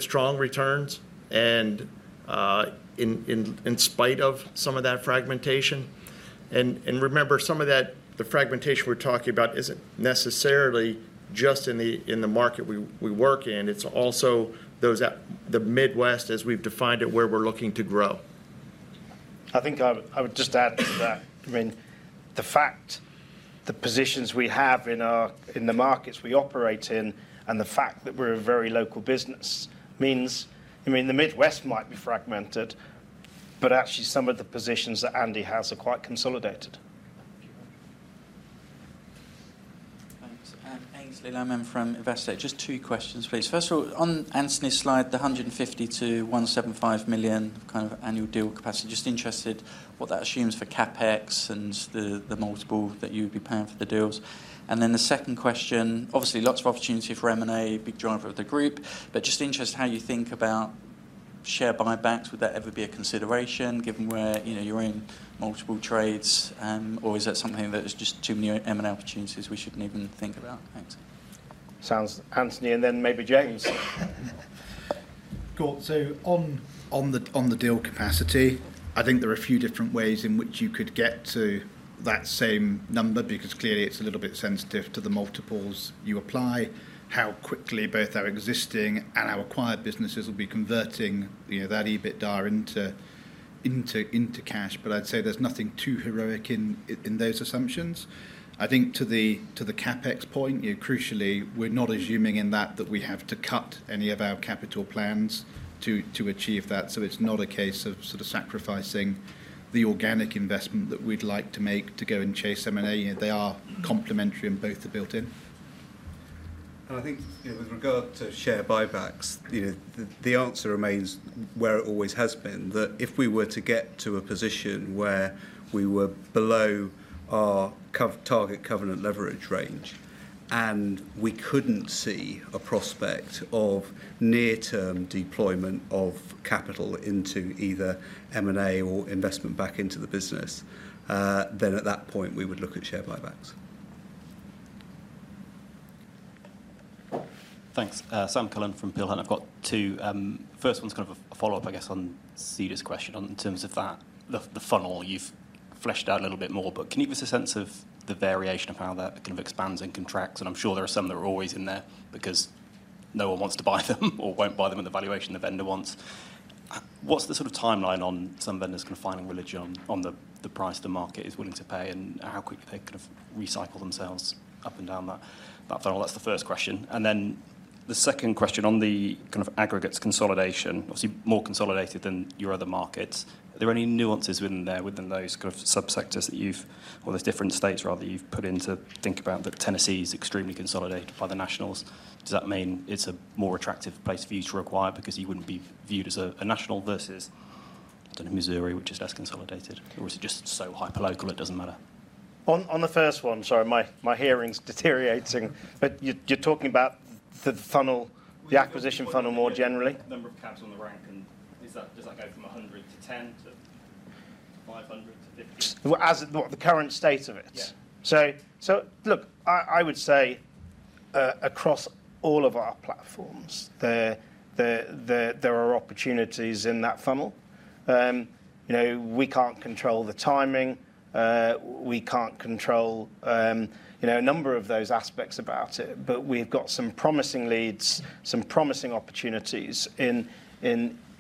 [SPEAKER 5] strong returns in spite of some of that fragmentation. And remember, some of the fragmentation we're talking about isn't necessarily just in the market we work in. It's also the Midwest, as we've defined it, where we're looking to grow.
[SPEAKER 4] I think I would just add to that. I mean, the fact, the positions we have in the markets we operate in, and the fact that we're a very local business means the Midwest might be fragmented, but actually some of the positions that Andy has are quite consolidated.
[SPEAKER 14] Thanks. And Aynsley Lammin from Investec. Just two questions, please. First of all, on Anthony's slide, the 150-175 million kind of annual deal capacity, just interested what that assumes for CapEx and the multiple that you would be paying for the deals. And then the second question, obviously lots of opportunity for M&A, big driver of the group, but just interested how you think about share buybacks. Would that ever be a consideration given where you're in multiple trades? Or is that something that is just too many M&A opportunities we shouldn't even think about?
[SPEAKER 2] Thanks. Sounds, Anthony, and then maybe James.
[SPEAKER 4] Cool. So on the deal capacity, I think there are a few different ways in which you could get to that same number because clearly it's a little bit sensitive to the multiples you apply, how quickly both our existing and our acquired businesses will be converting that EBITDA into cash. But I'd say there's nothing too heroic in those assumptions. I think to the CapEx point, crucially, we're not assuming in that that we have to cut any of our capital plans to achieve that. So it's not a case of sort of sacrificing the organic investment that we'd like to make to go and chase M&A. They are complementary and both are built in. And I think with regard to share buybacks, the answer remains where it always has been, that if we were to get to a position where we were below our target covenant leverage range and we couldn't see a prospect of near-term deployment of capital into either M&A or investment back into the business, then at that point, we would look at share buybacks.
[SPEAKER 15] Thanks. Sam Cullen from Peel Hunt, I've got two.
[SPEAKER 3] First one's kind of a follow-up, I guess, on Cedar's question in terms of the funnel you've fleshed out a little bit more. But can you give us a sense of the variation of how that kind of expands and contracts? And I'm sure there are some that are always in there because no one wants to buy them or won't buy them at the valuation the vendor wants. What's the sort of timeline on some vendors kind of failing to align on the price the market is willing to pay and how quickly they kind of recycle themselves up and down that funnel? That's the first question. And then the second question on the kind of aggregates consolidation, obviously more consolidated than your other markets. Are there any nuances within those kind of subsectors that you have, or there are different states rather, you have got to think about that Tennessee is extremely consolidated by the nationals? Does that mean it is a more attractive place for you to acquire because you would not be viewed as a national versus, I do not know, Missouri, which is less consolidated? Or is it just so hyper-local, it does not matter?
[SPEAKER 2] On the first one, sorry, my hearing is deteriorating. But you are talking about the funnel, the acquisition funnel more generally? The number of opps on the radar, and does that go from 100 to 10 to 500 to 50? The current state of it. Look, I would say across all of our platforms, there are opportunities in that funnel. We cannot control the timing. We can't control a number of those aspects about it. But we've got some promising leads, some promising opportunities in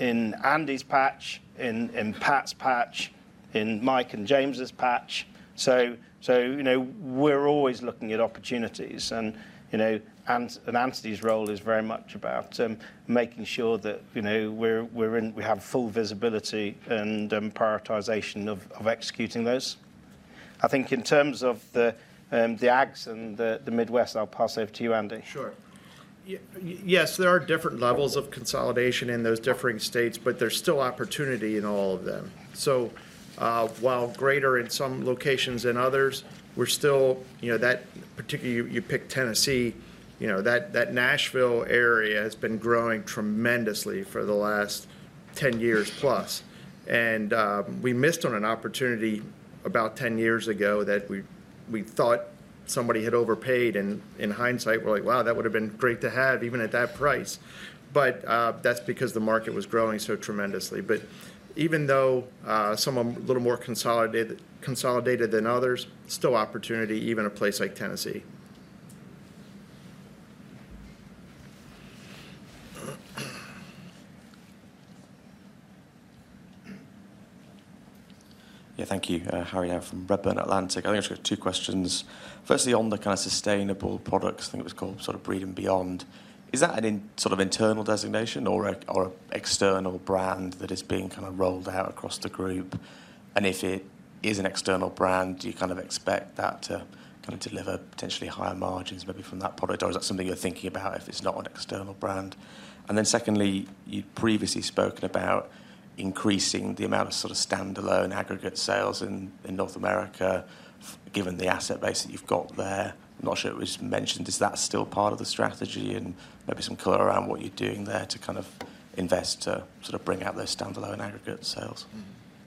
[SPEAKER 2] Andy's patch, in Pat's patch, in Mike and James's patch. So we're always looking at opportunities. Anthony's role is very much about making sure that we have full visibility and prioritization of executing those. I think in terms of the aggs and the Midwest, I'll pass over to you, Andy.
[SPEAKER 5] Sure. Yes, there are different levels of consolidation in those differing states, but there's still opportunity in all of them. So while greater in some locations than others, we're still that particularly you pick Tennessee, that Nashville area has been growing tremendously for the last 10 years plus. We missed on an opportunity about 10 years ago that we thought somebody had overpaid. And in hindsight, we're like, "Wow, that would have been great to have even at that price." But that's because the market was growing so tremendously. But even though some are a little more consolidated than others, still opportunity, even a place like Tennessee.
[SPEAKER 16] Yeah, thank you. Harriet Wild from Redburn Atlantic. I think I've got two questions. Firstly, on the kind of sustainable products, I think it was called sort of Breedon and Beyond. Is that a sort of internal designation or an external brand that is being kind of rolled out across the group? And if it is an external brand, do you kind of expect that to kind of deliver potentially higher margins maybe from that product? Or is that something you're thinking about if it's not an external brand? And then secondly, you'd previously spoken about increasing the amount of sort of standalone aggregate sales in North America, given the asset base that you've got there. I'm not sure it was mentioned. Is that still part of the strategy and maybe some color around what you're doing there to kind of invest to sort of bring out those standalone aggregate sales?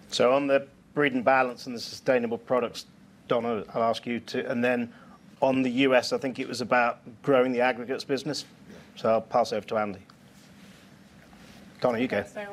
[SPEAKER 16] So on the Breedon Balance and the sustainable products,
[SPEAKER 2] Donna, I'll ask you to. And then on the U.S., I think it was about growing the aggregates business. So I'll pass over to Andy. Donna, you go.
[SPEAKER 3] So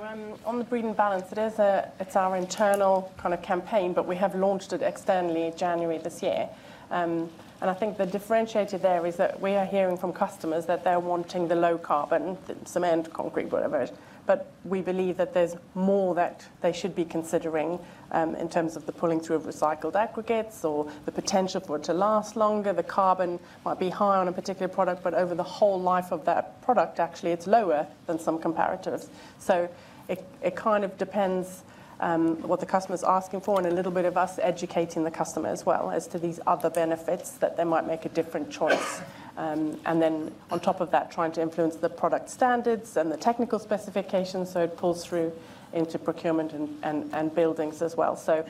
[SPEAKER 3] on the Breedon Balance, it is our internal kind of campaign, but we have launched it externally January this year. And I think the differentiator there is that we are hearing from customers that they're wanting the low carbon, cement, concrete, whatever. But we believe that there's more that they should be considering in terms of the pulling through of recycled aggregates or the potential for it to last longer. The carbon might be high on a particular product, but over the whole life of that product, actually, it's lower than some comparatives. So it kind of depends what the customer's asking for and a little bit of us educating the customer as well as to these other benefits that they might make a different choice. And then on top of that, trying to influence the product standards and the technical specifications so it pulls through into procurement and buildings as well. So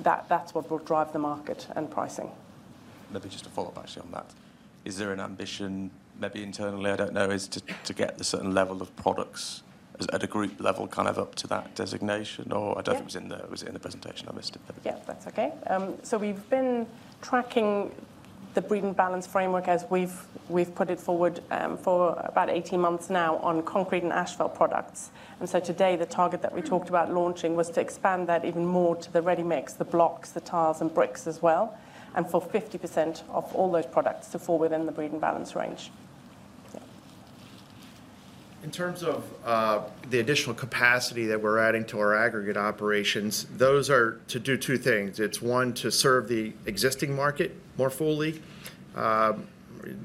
[SPEAKER 3] that's what will drive the market and pric
[SPEAKER 16] ing. Maybe just a follow-up, actually, on that. Is there an ambition maybe internally, I don't know, is to get a certain level of products at a group level kind of up to that designation? Or I don't think it was in there. Was it in the presentation? I missed it.
[SPEAKER 3] Yeah, that's okay. So we've been tracking the Breedon Balance framework as we've put it forward for about 18 months now on concrete and asphalt products. And so today, the target that we talked about launching was to expand that even more to the ready mix, the blocks, the tiles, and bricks as well, and for 50% of all those products to fall within the Breedon Balance range.
[SPEAKER 5] In terms of the additional capacity that we're adding to our aggregate operations, those are to do two things. It's one to serve the existing market more fully.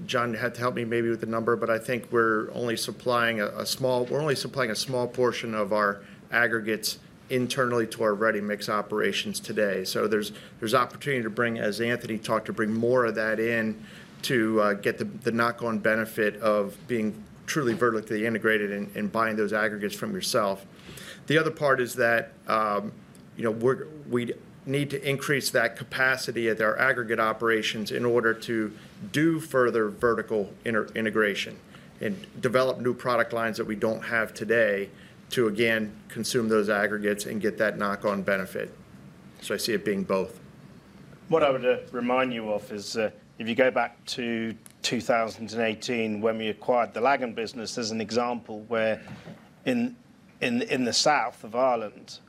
[SPEAKER 5] John had to help me maybe with the number, but I think we're only supplying a small portion of our aggregates internally to our ready mix operations today. So there's opportunity to bring, as Anthony talked, to bring more of that in to get the knock-on benefit of being truly vertically integrated and buying those aggregates from yourself. The other part is that we need to increase that capacity at our aggregate operations in order to do further vertical integration and develop new product lines that we don't have today to, again, consume those aggregates and get that knock-on benefit. So I see it being both.
[SPEAKER 2] What I would remind you of is if you go back to 2018 when we acquired the Lagan business, there's an example where in the south of Ireland,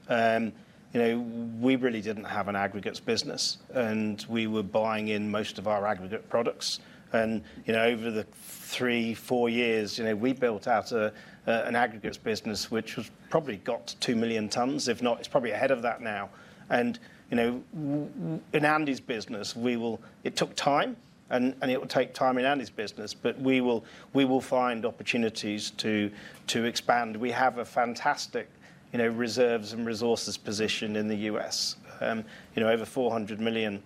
[SPEAKER 2] we really didn't have an aggregates business, and we were buying in most of our aggregate products. Over the three, four years, we built out an aggregates business, which has probably got two million tons, if not, it's probably ahead of that now. In Andy's business, it took time, and it will take time in Andy's business, but we will find opportunities to expand. We have a fantastic reserves and resources position in the US, over 400 million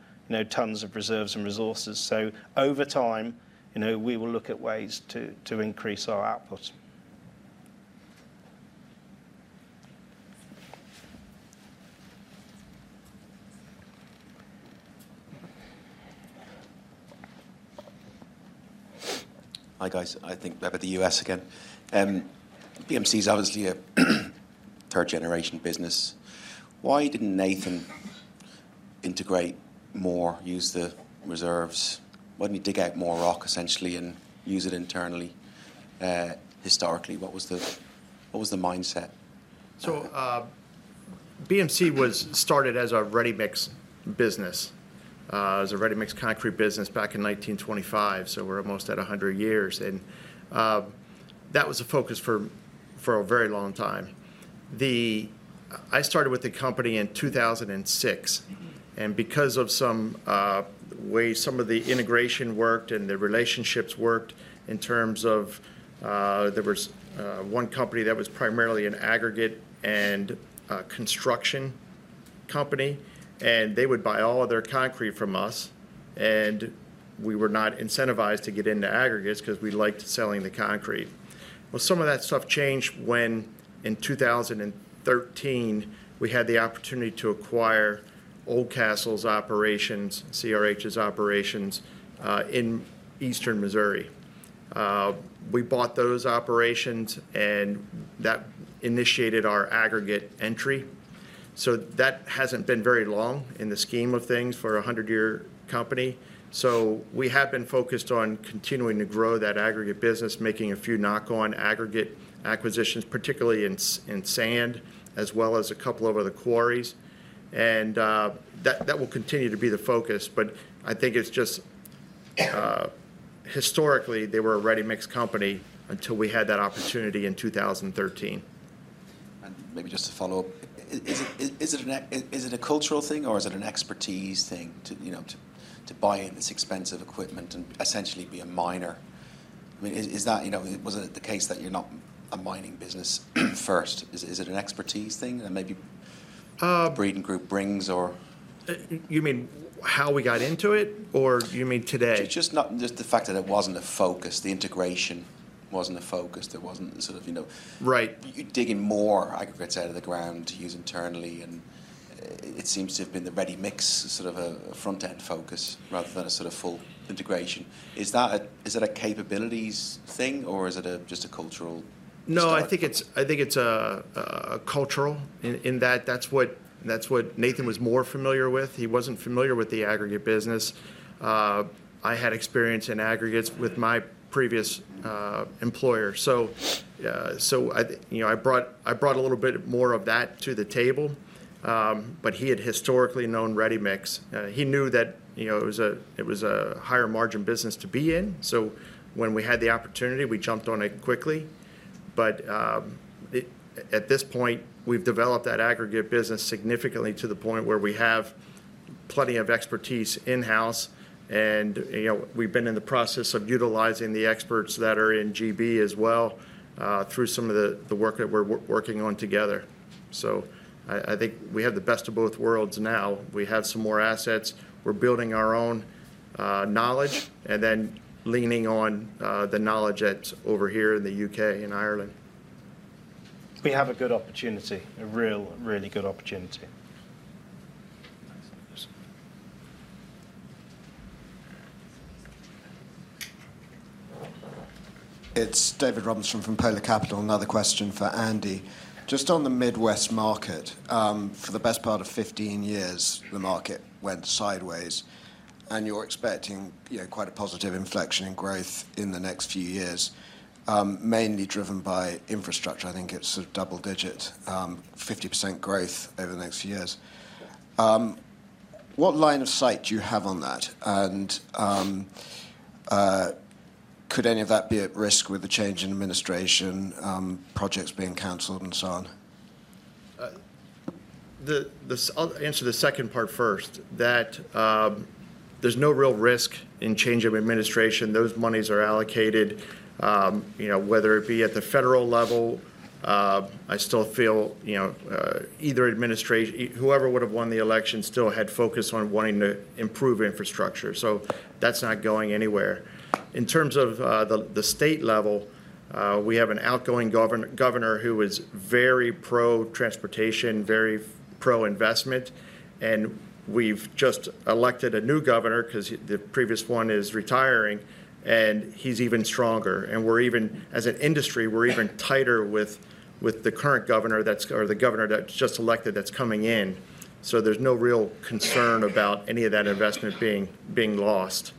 [SPEAKER 2] tons of reserves and resources. Over time, we will look at ways to increase our output.
[SPEAKER 17] Hi, guys. I think we're at the US again. BMC is obviously a third-generation business. Why didn't Nathan integrate more, use the reserves? Why didn't he dig out more rock, essentially, and use it internally? Historically, what was the mindset?
[SPEAKER 5] So BMC was started as a ready mix business, as ready-mix concrete business back in 1925. So we're almost at 100 years. And that was a focus for a very long time. I started with the company in 2006. And because of some way some of the integration worked and the relationships worked in terms of there was one company that was primarily an aggregate and construction company. And they would buy all of their concrete from us. And we were not incentivized to get into aggregates because we liked selling the concrete. Well, some of that stuff changed when in 2013, we had the opportunity to acquire Oldcastle's operations, CRH's operations in Eastern Missouri. We bought those operations, and that initiated our aggregate entry. So that hasn't been very long in the scheme of things for a 100-year company. So we have been focused on continuing to grow that aggregate business, making a few knock-on aggregate acquisitions, particularly in sand, as well as a couple of the quarries. And that will continue to be the focus. But I think it's just historically, they were a ready mix company until we had that opportunity in 2013.
[SPEAKER 17] And maybe just to follow up, is it a cultural thing or is it an expertise thing to buy in this expensive equipment and essentially be a miner? I mean, was it the case that you're not a mining business first? Is it an expertise thing that maybe Breedon Group brings or?
[SPEAKER 5] You mean how we got into it or you mean today?
[SPEAKER 17] Just the fact that it wasn't a focus. The integration wasn't a focus. There wasn't sort of digging more aggregates out of the ground to use internally, and it seems to have been the ready mix sort of a front-end focus rather than a sort of full integration. Is that a capabilities thing or is it just a cultural?
[SPEAKER 5] No, I think it's a cultural in that that's what Nathan was more familiar with. He wasn't familiar with the aggregate business. I had experience in aggregates with my previous employer. So I brought a little bit more of that to the table. But he had historically known ready mix. He knew that it was a higher margin business to be in. So when we had the opportunity, we jumped on it quickly. But at this point, we've developed that aggregate business significantly to the point where we have plenty of expertise in-house. We've been in the process of utilizing the experts that are in GB as well through some of the work that we're working on together. So I think we have the best of both worlds now. We have some more assets. We're building our own knowledge and then leaning on the knowledge over here in the UK and Ireland.
[SPEAKER 17] We have a good opportunity, a really good opportunity.
[SPEAKER 18] It's David Robinson from Polar Capital. Another question for Andy. Just on the Midwest market, for the best part of 15 years, the market went sideways. And you're expecting quite a positive inflection in growth in the next few years, mainly driven by infrastructure. I think it's a double-digit, 50% growth over the next few years. What line of sight do you have on that? Could any of that be at risk with the change in administration, projects being canceled, and so on?
[SPEAKER 5] Answer the second part first. There's no real risk in change of administration. Those monies are allocated, whether it be at the federal level. I still feel either administration, whoever would have won the election, still had focus on wanting to improve infrastructure. So that's not going anywhere. In terms of the state level, we have an outgoing governor who is very pro-transportation, very pro-investment. We've just elected a new governor because the previous one is retiring. He's even stronger. As an industry, we're even tighter with the current governor or the governor that's just elected that's coming in. So there's no real concern about any of that investment being lost.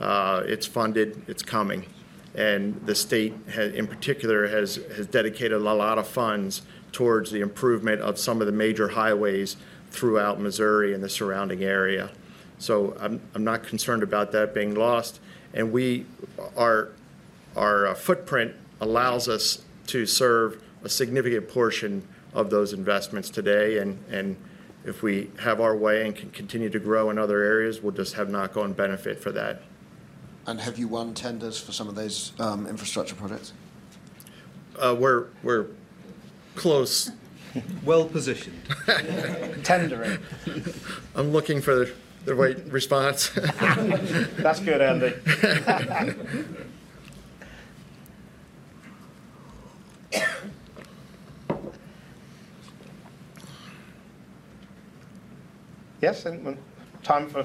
[SPEAKER 5] It's funded. It's coming. The state, in particular, has dedicated a lot of funds towards the improvement of some of the major highways throughout Missouri and the surrounding area. So I'm not concerned about that being lost. Our footprint allows us to serve a significant portion of those investments today. If we have our way and can continue to grow in other areas, we'll just have knock-on benefit for that.
[SPEAKER 18] Have you won tenders for some of those infrastructure projects?
[SPEAKER 5] We're close. Well positioned. Tendering. I'm looking for the right response.
[SPEAKER 2] That's good, Andy.
[SPEAKER 5] Yes, and time for.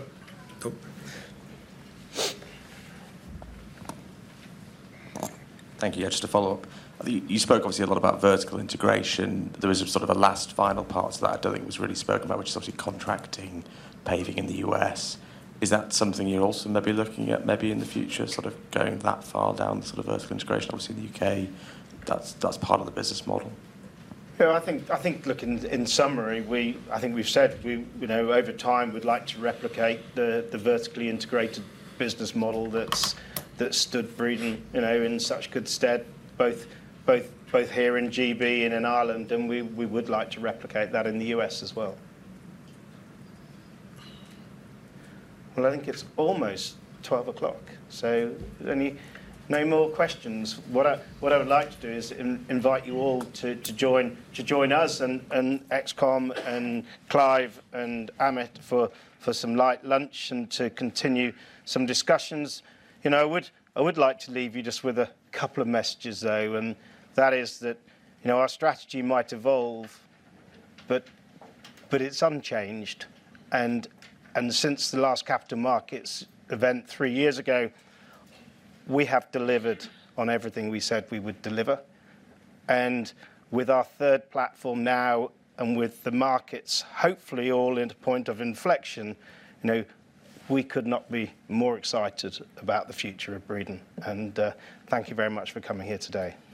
[SPEAKER 18] Thank you. Just to follow up, you spoke obviously a lot about vertical integration. There was sort of a last final part to that. I don't think it was really spoken about, which is obviously contracting paving in the US.Is that something you're also maybe looking at maybe in the future, sort of going that far down sort of vertical integration, obviously in the UK? That's part of the business model.
[SPEAKER 3] Yeah, I think look, in summary, I think we've said over time, we'd like to replicate the vertically integrated business model that stood Breedon in such good stead, both here in GB and in Ireland, and we would like to replicate that in the US as well. Well, I think it's almost 12 o'clock. So no more questions. What I would like to do is invite you all to join us and ExCom and Clive and Amit for some light lunch and to continue some discussions. I would like to leave you just with a couple of messages, though, and that is that our strategy might evolve, but it's unchanged. And since the last capital markets event three years ago, we have delivered on everything we said we would deliver. And with our third platform now and with the markets hopefully all in a point of inflection, we could not be more excited about the future of Breedon. And thank you very much for coming here today.